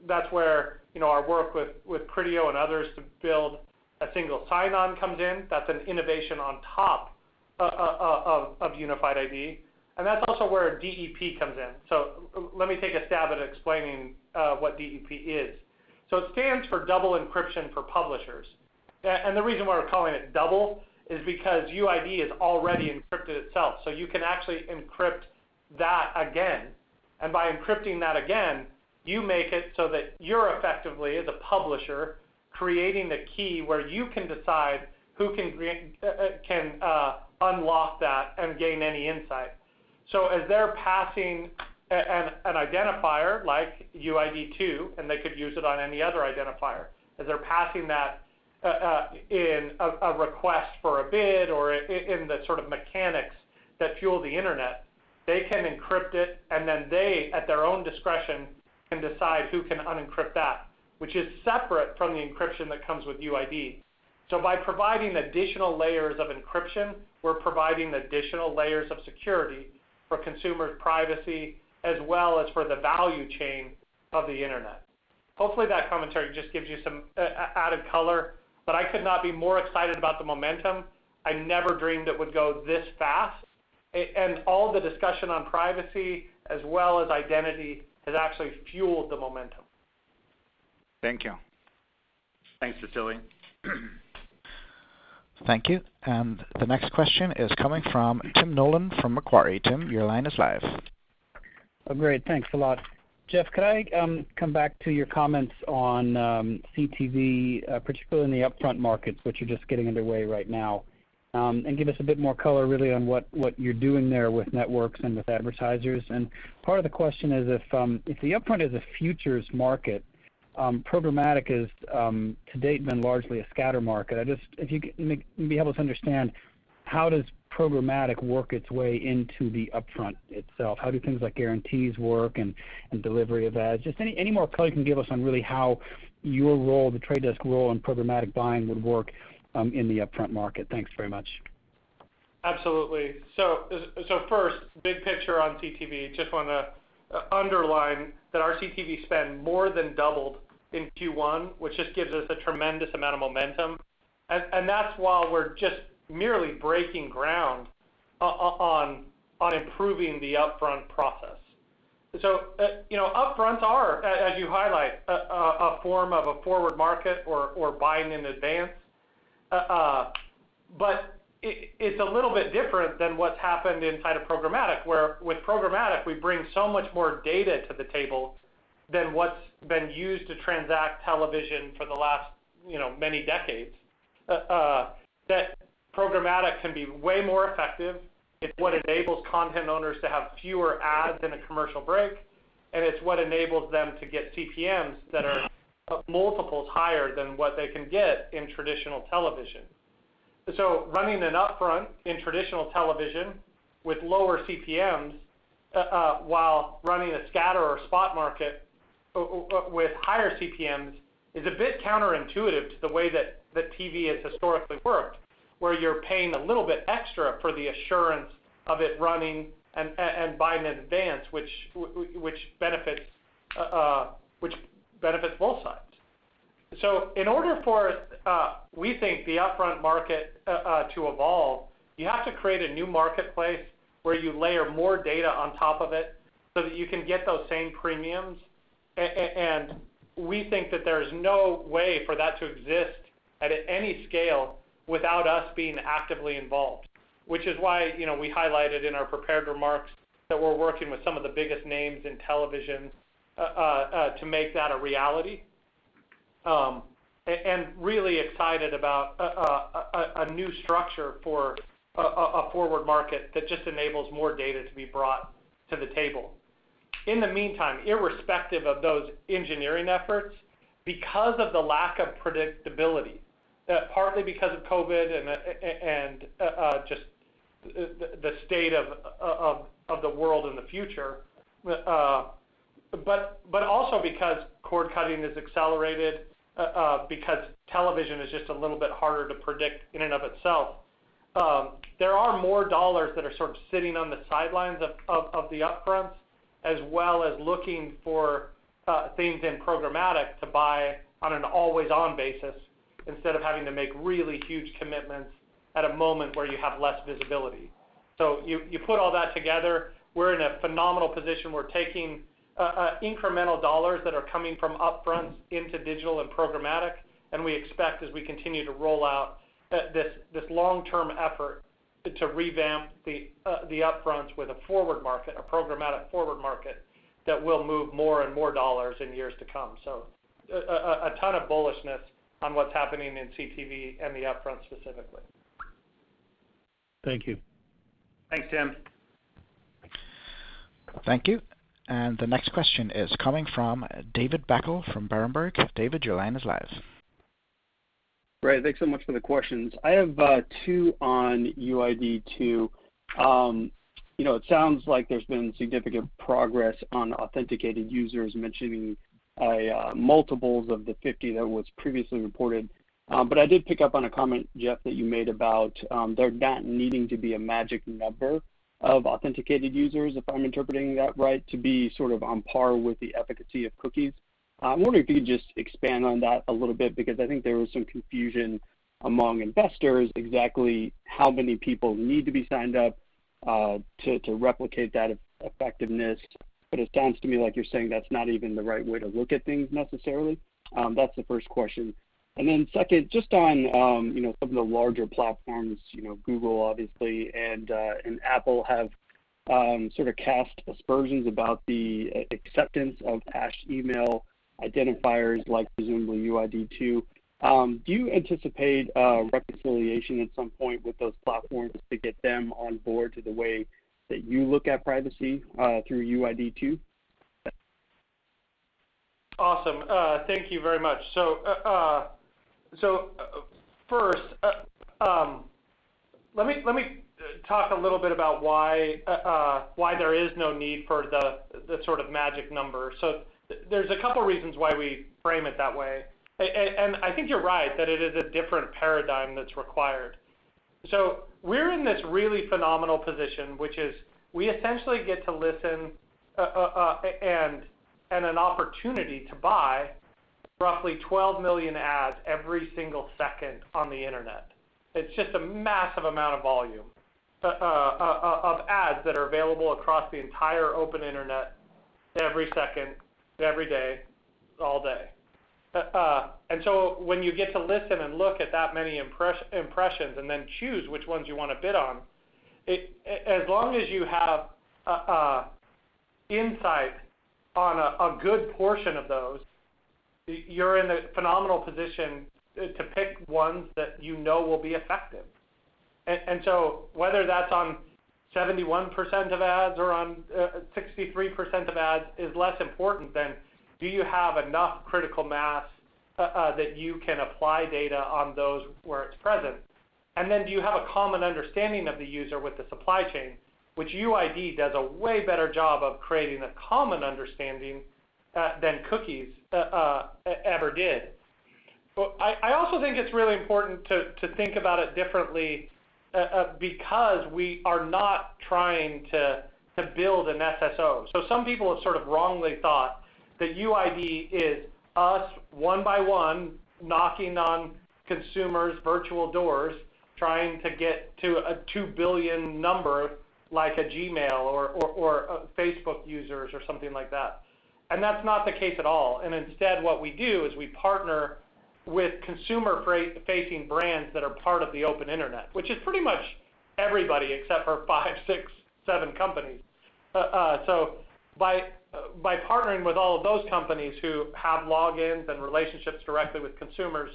That's where our work with Criteo and others to build a single sign-on comes in. That's an innovation on top of Unified ID. That's also where DEP comes in. Let me take a stab at explaining what DEP is. It stands for Double Encryption for Publishers. The reason why we're calling it double is because UID is already encrypted itself. You can actually encrypt that again. By encrypting that again, you make it so that you're effectively, as a publisher, creating the key where you can decide who can unlock that and gain any insight. As they're passing an identifier like UID2, and they could use it on any other identifier, as they're passing that in a request for a bid or in the sort of mechanics that fuel the internet, they can encrypt it, and then they, at their own discretion, can decide who can unencrypt that, which is separate from the encryption that comes with UID. By providing additional layers of encryption, we're providing additional layers of security for consumers' privacy as well as for the value chain of the internet. Hopefully, that commentary just gives you some added color, but I could not be more excited about the momentum. I never dreamed it would go this fast. All the discussion on privacy as well as identity has actually fueled the momentum. Thank you. Thanks, Vasily. Thank you. The next question is coming from Tim Nollen from Macquarie. Tim, your line is live. Great, thanks a lot. Jeff, could I come back to your comments on CTV, particularly in the upfront markets, which are just getting underway right now? Give us a bit more color really on what you're doing there with networks and with advertisers. Part of the question is if the upfront is a futures market, programmatic is to date been largely a scatter market. If you can be able to understand how does programmatic work its way into the upfront itself? How do things like guarantees work and delivery of ads? Just any more color you can give us on really how your role, The Trade Desk role in programmatic buying would work in the upfront market? Thanks very much. Absolutely. First, big picture on CTV. Just want to underline that our CTV spend more than doubled in Q1, which just gives us a tremendous amount of momentum, and that's while we're just merely breaking ground on improving the upfront process. Upfronts are, as you highlight, a form of a forward market or buying in advance. It's a little bit different than what's happened inside of programmatic, where with programmatic, we bring so much more data to the table than what's been used to transact television for the last many decades. That programmatic can be way more effective. It's what enables content owners to have fewer ads in a commercial break, and it's what enables them to get CPMs that are multiples higher than what they can get in traditional television. Running an upfront in traditional television with lower CPMs, while running a scatter or spot market with higher CPMs is a bit counterintuitive to the way that TV has historically worked, where you're paying a little bit extra for the assurance of it running and buying in advance, which benefits both sides. In order for, we think, the upfront market to evolve, you have to create a new marketplace where you layer more data on top of it so that you can get those same premiums. We think that there's no way for that to exist at any scale without us being actively involved, which is why we highlighted in our prepared remarks that we're working with some of the biggest names in television to make that a reality. Really excited about a new structure for a forward market that just enables more data to be brought to the table. In the meantime, irrespective of those engineering efforts, because of the lack of predictability, partly because of COVID and just the state of the world in the future, but also because cord cutting has accelerated, because television is just a little bit harder to predict in and of itself. There are more dollars that are sort of sitting on the sidelines of the up-fronts, as well as looking for things in programmatic to buy on an always-on basis instead of having to make really huge commitments at a moment where you have less visibility. You put all that together, we're in a phenomenal position. We're taking incremental dollars that are coming from up-fronts into digital and programmatic. We expect as we continue to roll out this long-term effort to revamp the up-fronts with a forward market, a programmatic forward market, that will move more and more dollars in years to come. A ton of bullishness on what's happening in CTV and the upfront specifically. Thank you. Thanks, Tim. Thank you. The next question is coming from David Beckel from Berenberg. David, your line is live. Thanks so much for the questions, I have two on UID2. It sounds like there's been significant progress on authenticated users mentioning multiples of the 50 that was previously reported. I did pick up on a comment, Jeff, that you made about there not needing to be a magic number of authenticated users, if I'm interpreting that right, to be sort of on par with the efficacy of cookies. I wonder if you could just expand on that a little bit because I think there was some confusion among investors exactly how many people need to be signed up to replicate that effectiveness? It sounds to me like you're saying that's not even the right way to look at things necessarily. That's the first question. Second, just on some of the larger platforms, Google, obviously, and Apple have sort of cast aspersions about the acceptance of hashed email identifiers like presumably UID2. Do you anticipate reconciliation at some point with those platforms to get them on board to the way that you look at privacy through UID2? Awesome, thank you very much. First, let me talk a little bit about why there is no need for the sort of magic number. There's a couple reasons why we frame it that way. I think you're right that it is a different paradigm that's required. We're in this really phenomenal position, which is we essentially get to listen and an opportunity to buy roughly 12 million ads every single second on the Internet. It's just a massive amount of volume of ads that are available across the entire open Internet every second, every day, all day. When you get to listen and look at that many impressions and then choose which ones you want to bid on, as long as you have insight on a good portion of those, you're in a phenomenal position to pick ones that you know will be effective. Whether that's on 71% of ads or on 63% of ads is less important than do you have enough critical mass that you can apply data on those where it's present. Then do you have a common understanding of the user with the supply chain, which UID does a way better job of creating a common understanding than cookies ever did. I also think it's really important to think about it differently because we are not trying to build an SSO. Some people have sort of wrongly thought that UID is us, one by one, knocking on consumers' virtual doors trying to get to a 2 billion number like a Gmail or Facebook users or something like that. That's not the case at all. Instead what we do is we partner with consumer-facing brands that are part of the open internet, which is pretty much everybody except for five, six, seven companies. By partnering with all of those companies who have logins and relationships directly with consumers,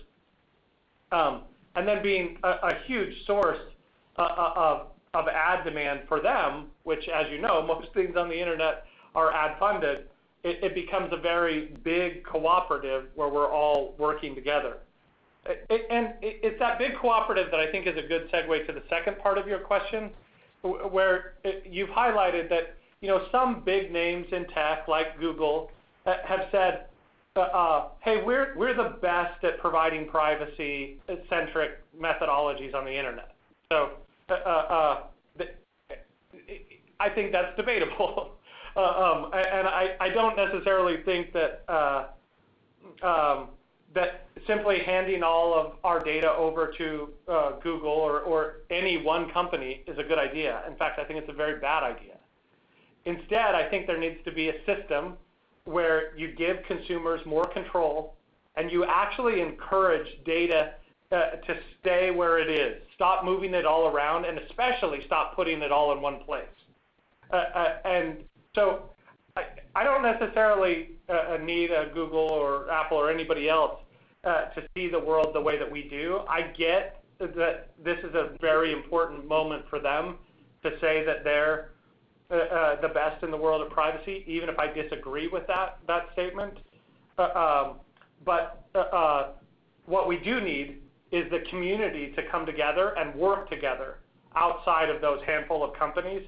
and then being a huge source of ad demand for them, which, as you know, most things on the internet are ad funded, it becomes a very big cooperative where we're all working together. It's that big cooperative that I think is a good segue to the second part of your question, where you've highlighted that some big names in tech, like Google, have said, "Hey, we're the best at providing privacy-centric methodologies on the internet." I think that's debatable. I don't necessarily think that simply handing all of our data over to Google or any one company is a good idea. In fact, I think it's a very bad idea. Instead, I think there needs to be a system where you give consumers more control and you actually encourage data to stay where it is, stop moving it all around, and especially stop putting it all in one place. I don't necessarily need a Google or Apple or anybody else to see the world the way that we do. I get that this is a very important moment for them to say that they're the best in the world of privacy, even if I disagree with that statement. What we do need is the community to come together and work together outside of those handful of companies.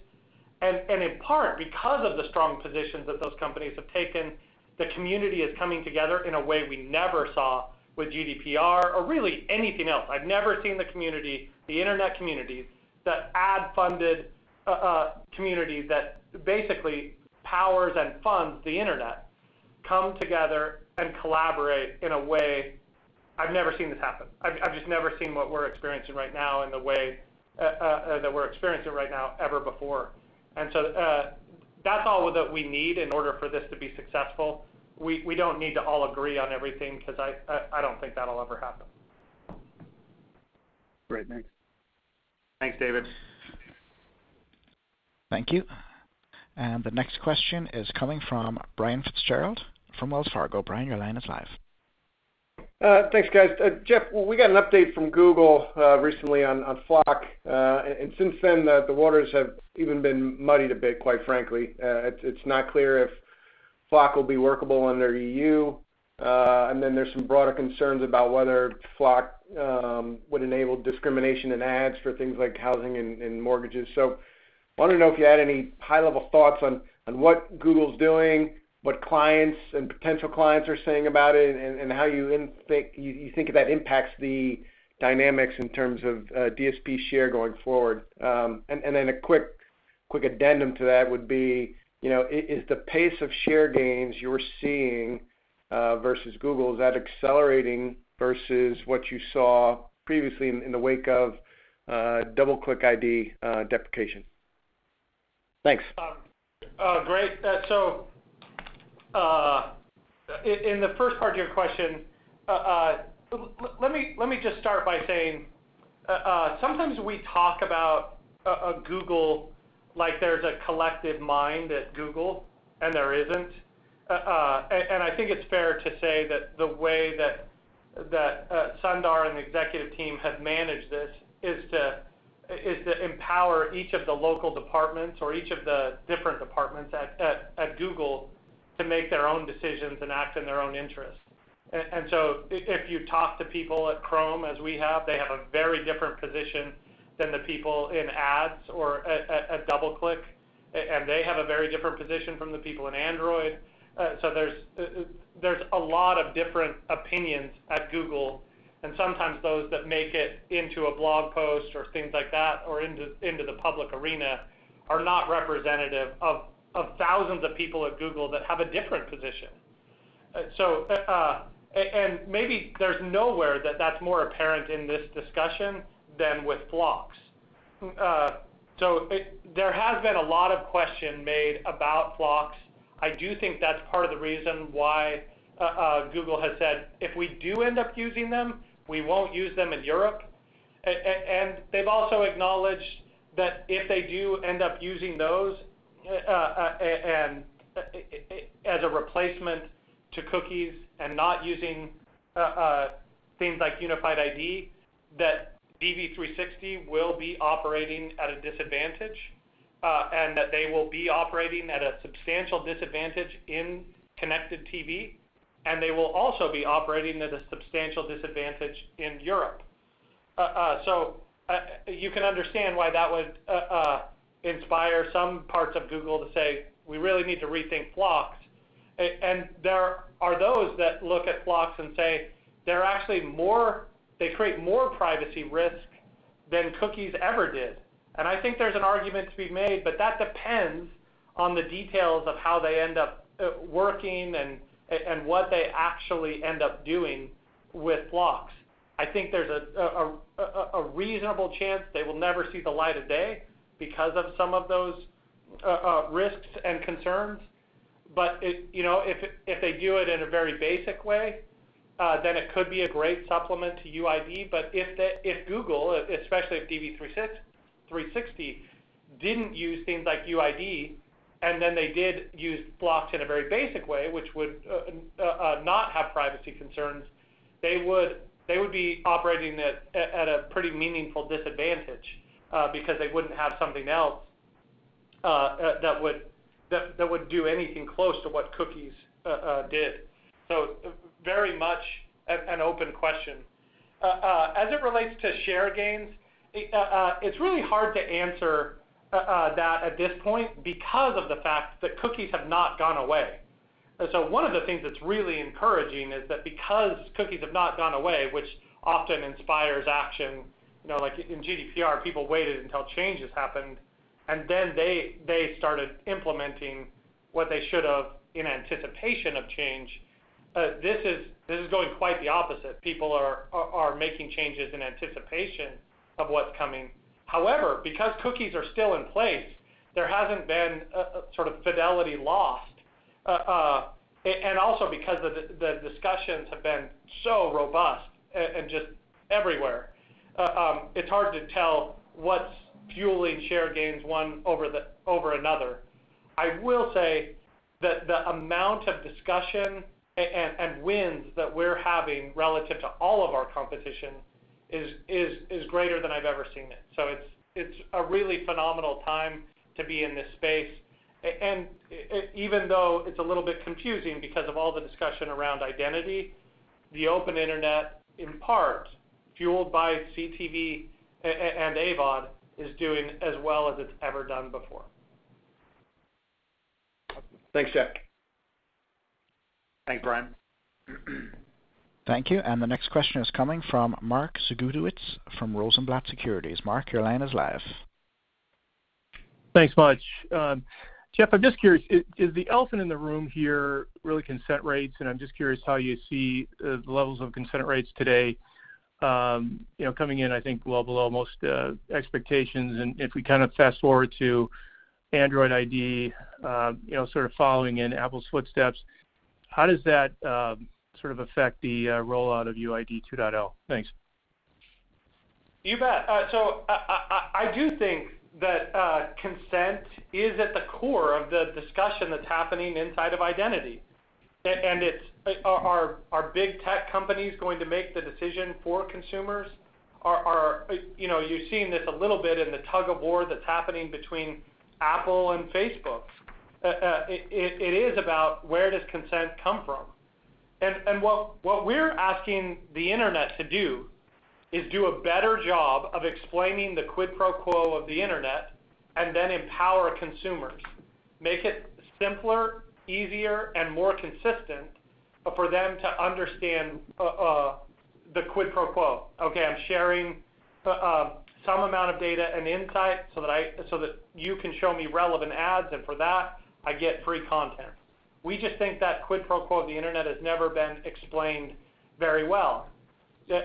In part because of the strong positions that those companies have taken, the community is coming together in a way we never saw with GDPR or really anything else. I've never seen the community, the internet community, the ad-funded community that basically powers and funds the internet, come together and collaborate in a way I've never seen this happen. I've just never seen what we're experiencing right now and the way that we're experiencing right now ever before. That's all that we need in order for this to be successful. We don't need to all agree on everything because I don't think that'll ever happen. Great, thanks. Thanks, David. Thank you. The next question is coming from Brian Fitzgerald from Wells Fargo. Brian, your line is live. Thanks, guys. Jeff, we got an update from Google recently on FLoC. Since then, the waters have even been muddied a bit, quite frankly. It's not clear if FLoC will be workable under EU. There's some broader concerns about whether FLoC would enable discrimination in ads for things like housing and mortgages. Wanted to know if you had any high-level thoughts on what Google's doing, what clients and potential clients are saying about it, and how you think that impacts the dynamics in terms of DSP share going forward? A quick addendum to that would be, is the pace of share gains you're seeing versus Google, is that accelerating versus what you saw previously in the wake of DoubleClick ID deprecation? Thanks. Great. In the first part of your question, let me just start by saying, sometimes we talk about Google like there's a collective mind at Google, and there isn't. I think it's fair to say that the way that Sundar and the executive team have managed this is to empower each of the local departments or each of the different departments at Google to make their own decisions and act in their own interests. If you talk to people at Chrome, as we have, they have a very different position than the people in ads or at DoubleClick, and they have a very different position from the people in Android. There's a lot of different opinions at Google, sometimes those that make it into a blog post or things like that or into the public arena are not representative of thousands of people at Google that have a different position. Maybe there's nowhere that that's more apparent in this discussion than with FLoCs. I do think that's part of the reason why Google has said, "If we do end up using them, we won't use them in Europe." They've also acknowledged that if they do end up using those as a replacement to cookies and not using things like Unified ID, that DV360 will be operating at a disadvantage, and that they will be operating at a substantial disadvantage in Connected TV, and they will also be operating at a substantial disadvantage in Europe. You can understand why that would inspire some parts of Google to say, "We really need to rethink FLoCs." There are those that look at FLoCs and say they create more privacy risk than cookies ever did. I think there's an argument to be made, but that depends on the details of how they end up working and what they actually end up doing with FLoCs. I think there's a reasonable chance they will never see the light of day because of some of those risks and concerns. If they do it in a very basic way, then it could be a great supplement to UID. If Google, especially if DV360, didn't use things like UID, and then they did use FLoCs in a very basic way, which would not have privacy concerns, they would be operating at a pretty meaningful disadvantage because they wouldn't have something else that would do anything close to what cookies did. Very much an open question. As it relates to share gains, it's really hard to answer that at this point because of the fact that cookies have not gone away. One of the things that's really encouraging is that because cookies have not gone away, which often inspires action, like in GDPR, people waited until changes happened, and then they started implementing what they should have in anticipation of change. This is going quite the opposite. People are making changes in anticipation of what's coming. However, because cookies are still in place, there hasn't been fidelity lost. Also because the discussions have been so robust and just everywhere, it's hard to tell what's fueling share gains one over another. I will say that the amount of discussion and wins that we're having relative to all of our competition is greater than I've ever seen it. It's a really phenomenal time to be in this space. Even though it's a little bit confusing because of all the discussion around identity, the open internet, in part fueled by CTV and AVOD, is doing as well as it's ever done before. Thanks, Jeff. Thanks, Brian. Thank you. The next question is coming from Mark Zgutowicz from Rosenblatt Securities. Mark, your line is live. Thanks much. Jeff, I'm just curious, is the elephant in the room here really consent rates? I'm just curious how you see the levels of consent rates today coming in, I think well below most expectations. If we kind of fast-forward to Android ID sort of following in Apple's footsteps, how does that sort of affect the rollout of UID2.0? Thanks. You bet. I do think that consent is at the core of the discussion that's happening inside of identity. Are big tech companies going to make the decision for consumers? You've seen this a little bit in the tug-of-war that's happening between Apple and Facebook. It is about where does consent come from. What we're asking the internet to do is do a better job of explaining the quid pro quo of the internet and then empower consumers, make it simpler, easier, and more consistent for them to understand the quid pro quo. Okay, I'm sharing some amount of data and insight so that you can show me relevant ads, and for that, I get free content. We just think that quid pro quo of the internet has never been explained very well. We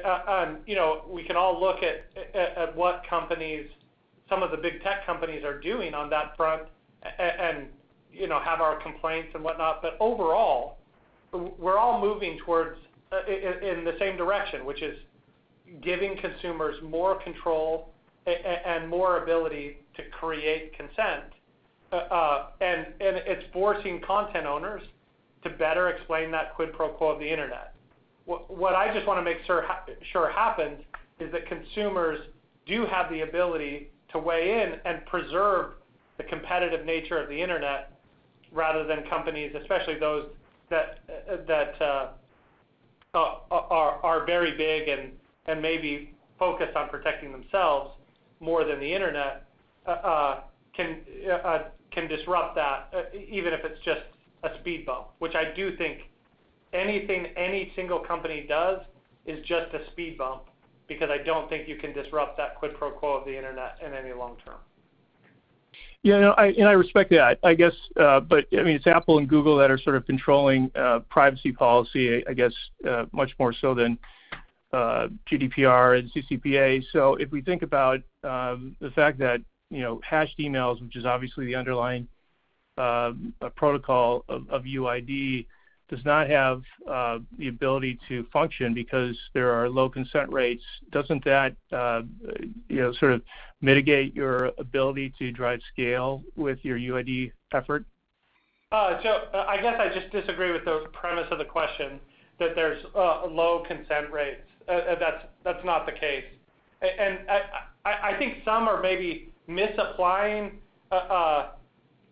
can all look at what some of the big tech companies are doing on that front and have our complaints and whatnot. Overall, we're all moving in the same direction, which is giving consumers more control and more ability to create consent. It's forcing content owners to better explain that quid pro quo of the internet. What I just want to make sure happens is that consumers do have the ability to weigh in and preserve the competitive nature of the internet rather than companies, especially those that are very big and maybe focused on protecting themselves more than the internet can disrupt that, even if it's just a speed bump, which I do think anything any single company does is just a speed bump because I don't think you can disrupt that quid pro quo of the internet in any long term. I respect that, I guess. It's Apple and Google that are sort of controlling privacy policy, I guess, much more so than GDPR and CCPA. If we think about the fact that hashed emails, which is obviously the underlying protocol of UID, does not have the ability to function because there are low consent rates, doesn't that sort of mitigate your ability to drive scale with your UID effort? I guess I just disagree with the premise of the question that there's low consent rates. That's not the case. I think some are maybe misapplying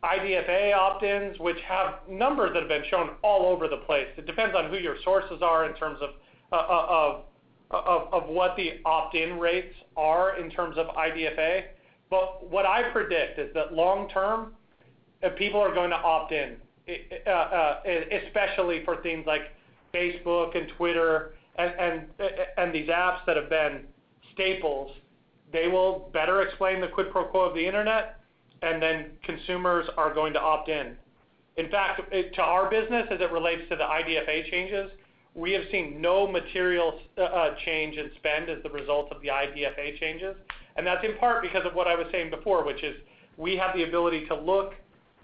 IDFA opt-ins, which have numbers that have been shown all over the place. It depends on who your sources are in terms of what the opt-in rates are in terms of IDFA. What I predict is that long term, people are going to opt in, especially for things like Facebook and Twitter and these apps that have been staples. They will better explain the quid pro quo of the internet, and then consumers are going to opt in. In fact, to our business, as it relates to the IDFA changes, we have seen no material change in spend as the result of the IDFA changes. That's in part because of what I was saying before, which is we have the ability to look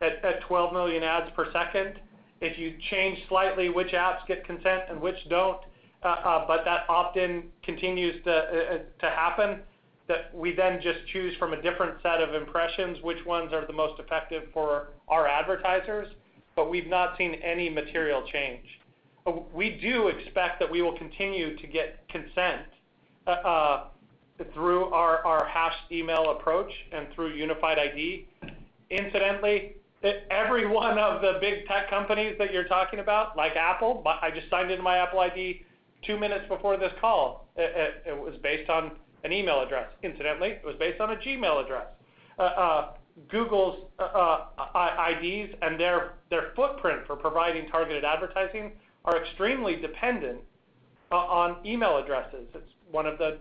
at 12 million ads per second, if you change slightly which apps get consent and which don't, but that opt-in continues to happen, that we then just choose from a different set of impressions which ones are the most effective for our advertisers. We've not seen any material change. We do expect that we will continue to get consent through our hashed email approach and through Unified ID. Incidentally, every one of the big tech companies that you're talking about, like Apple, I just signed into my Apple ID two minutes before this call. It was based on an email address. Incidentally, it was based on a Gmail address. Google's IDs and their footprint for providing targeted advertising are extremely dependent on email addresses. It's one of the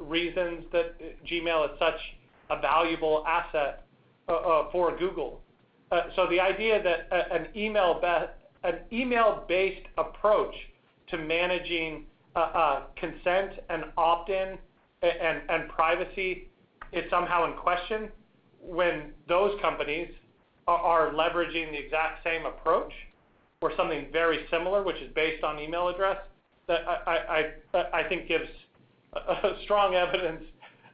reasons that Gmail is such a valuable asset for Google. The idea that an email-based approach to managing consent and opt-in and privacy is somehow in question when those companies are leveraging the exact same approach, or something very similar, which is based on email address, I think gives strong evidence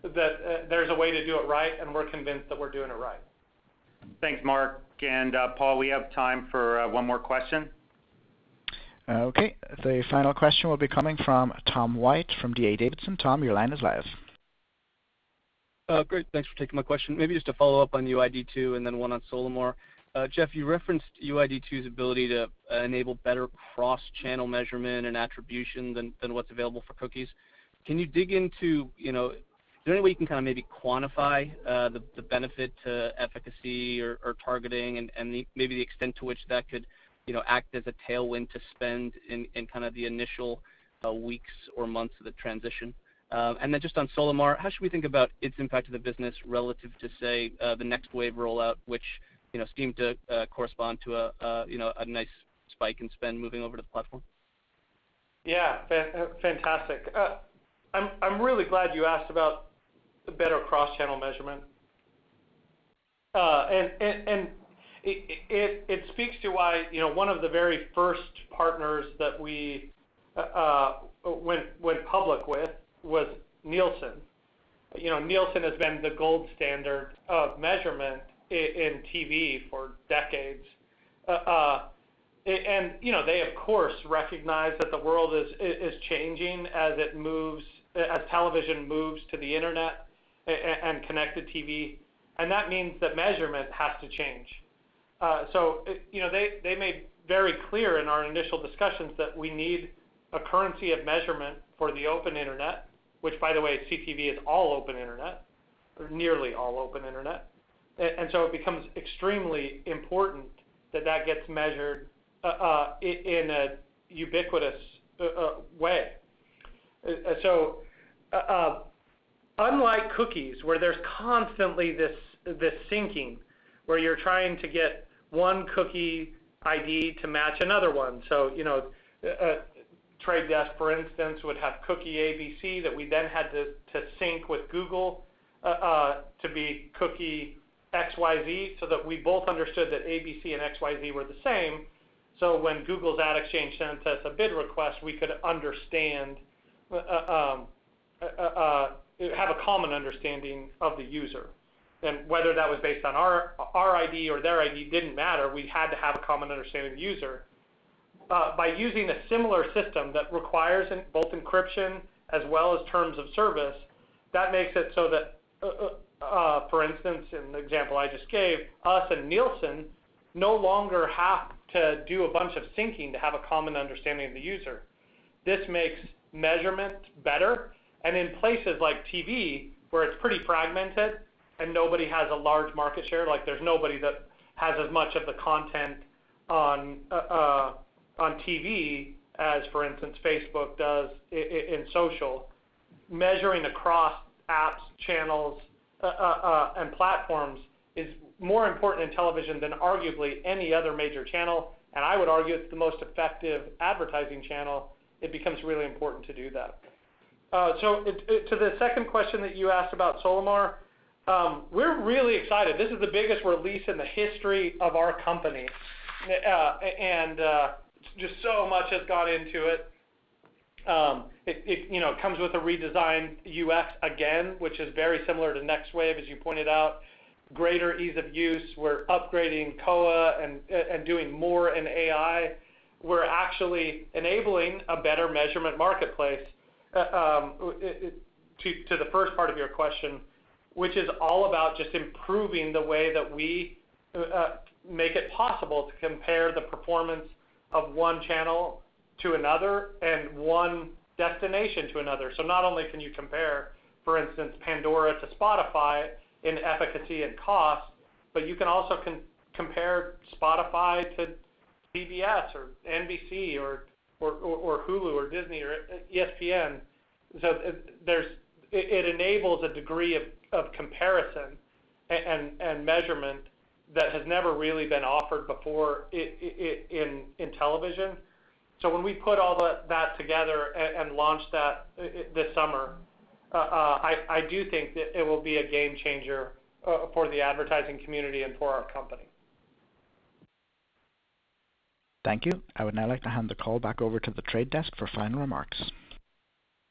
that there's a way to do it right, and we're convinced that we're doing it right. Thanks, Mark, and Paul, we have time for one more question. Okay. The final question will be coming from Tom White from D.A. Davidson. Tom, your line is live. Great, thanks for taking my question. Maybe just a follow-up on UID2, and then one on Solimar. Jeff, you referenced UID2's ability to enable better cross-channel measurement and attribution than what's available for cookies. Can you dig into, is there any way you can kind of maybe quantify the benefit to efficacy or targeting and maybe the extent to which that could act as a tailwind to spend in kind of the initial weeks or months of the transition? Just on Solimar, how should we think about its impact to the business relative to, say, the Next Wave rollout, which seemed to correspond to a nice spike in spend moving over to the platform? Yeah. Fantastic. I'm really glad you asked about the better cross-channel measurement. It speaks to why one of the very first partners that we went public with was Nielsen. Nielsen has been the gold standard of measurement in TV for decades. They, of course, recognize that the world is changing as television moves to the internet and Connected TV, that means that measurement has to change. They made very clear in our initial discussions that we need a currency of measurement for the open internet, which by the way, CTV is all open internet, or nearly all open internet. It becomes extremely important that that gets measured in a ubiquitous way. Unlike cookies, where there's constantly this syncing, where you're trying to get one cookie ID to match another one. The Trade Desk, for instance, would have cookie ABC that we then had to sync with Google to be cookie XYZ that we both understood that ABC and XYZ were the same, when Google's Ad Exchange then sets a bid request, we could have a common understanding of the user. Whether that was based on our ID or their ID didn't matter, we had to have a common understanding of the user. By using a similar system that requires both encryption as well as terms of service, that makes it so that, for instance, in the example I just gave, us and Nielsen no longer have to do a bunch of syncing to have a common understanding of the user. This makes measurement better, and in places like TV, where it's pretty fragmented and nobody has a large market share, like there's nobody that has as much of the content on TV as, for instance, Facebook does in social, measuring across apps, channels, and platforms is more important in television than arguably any other major channel. I would argue it's the most effective advertising channel. It becomes really important to do that. To the second question that you asked about Solimar, we're really excited. This is the biggest release in the history of our company. Just so much has gone into it. It comes with a redesigned UX again, which is very similar to Next Wave, as you pointed out. Greater ease of use. We're upgrading Koa and doing more in AI. We're actually enabling a better measurement marketplace, to the first part of your question, which is all about just improving the way that we make it possible to compare the performance of one channel to another and one destination to another. Not only can you compare, for instance, Pandora to Spotify in efficacy and cost, but you can also compare Spotify to PBS or NBC or Hulu or Disney or ESPN. It enables a degree of comparison and measurement that has never really been offered before in television. When we put all that together and launch that this summer, I do think that it will be a game changer for the advertising community and for our company. Thank you. I would now like to hand the call back over to The Trade Desk for final remarks.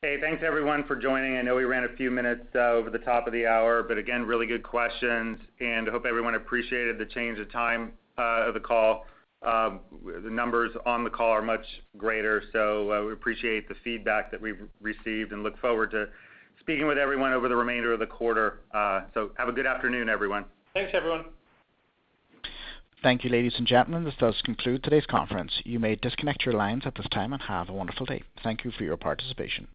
Hey, thanks everyone for joining. I know we ran a few minutes over the top of the hour, but again, really good questions, and hope everyone appreciated the change of time of the call. The numbers on the call are much greater, so we appreciate the feedback that we've received and look forward to speaking with everyone over the remainder of the quarter. Have a good afternoon, everyone. Thanks, everyone. Thank you, ladies and gentlemen. This does conclude today's conference. You may disconnect your lines at this time, and have a wonderful day. Thank you for your participation.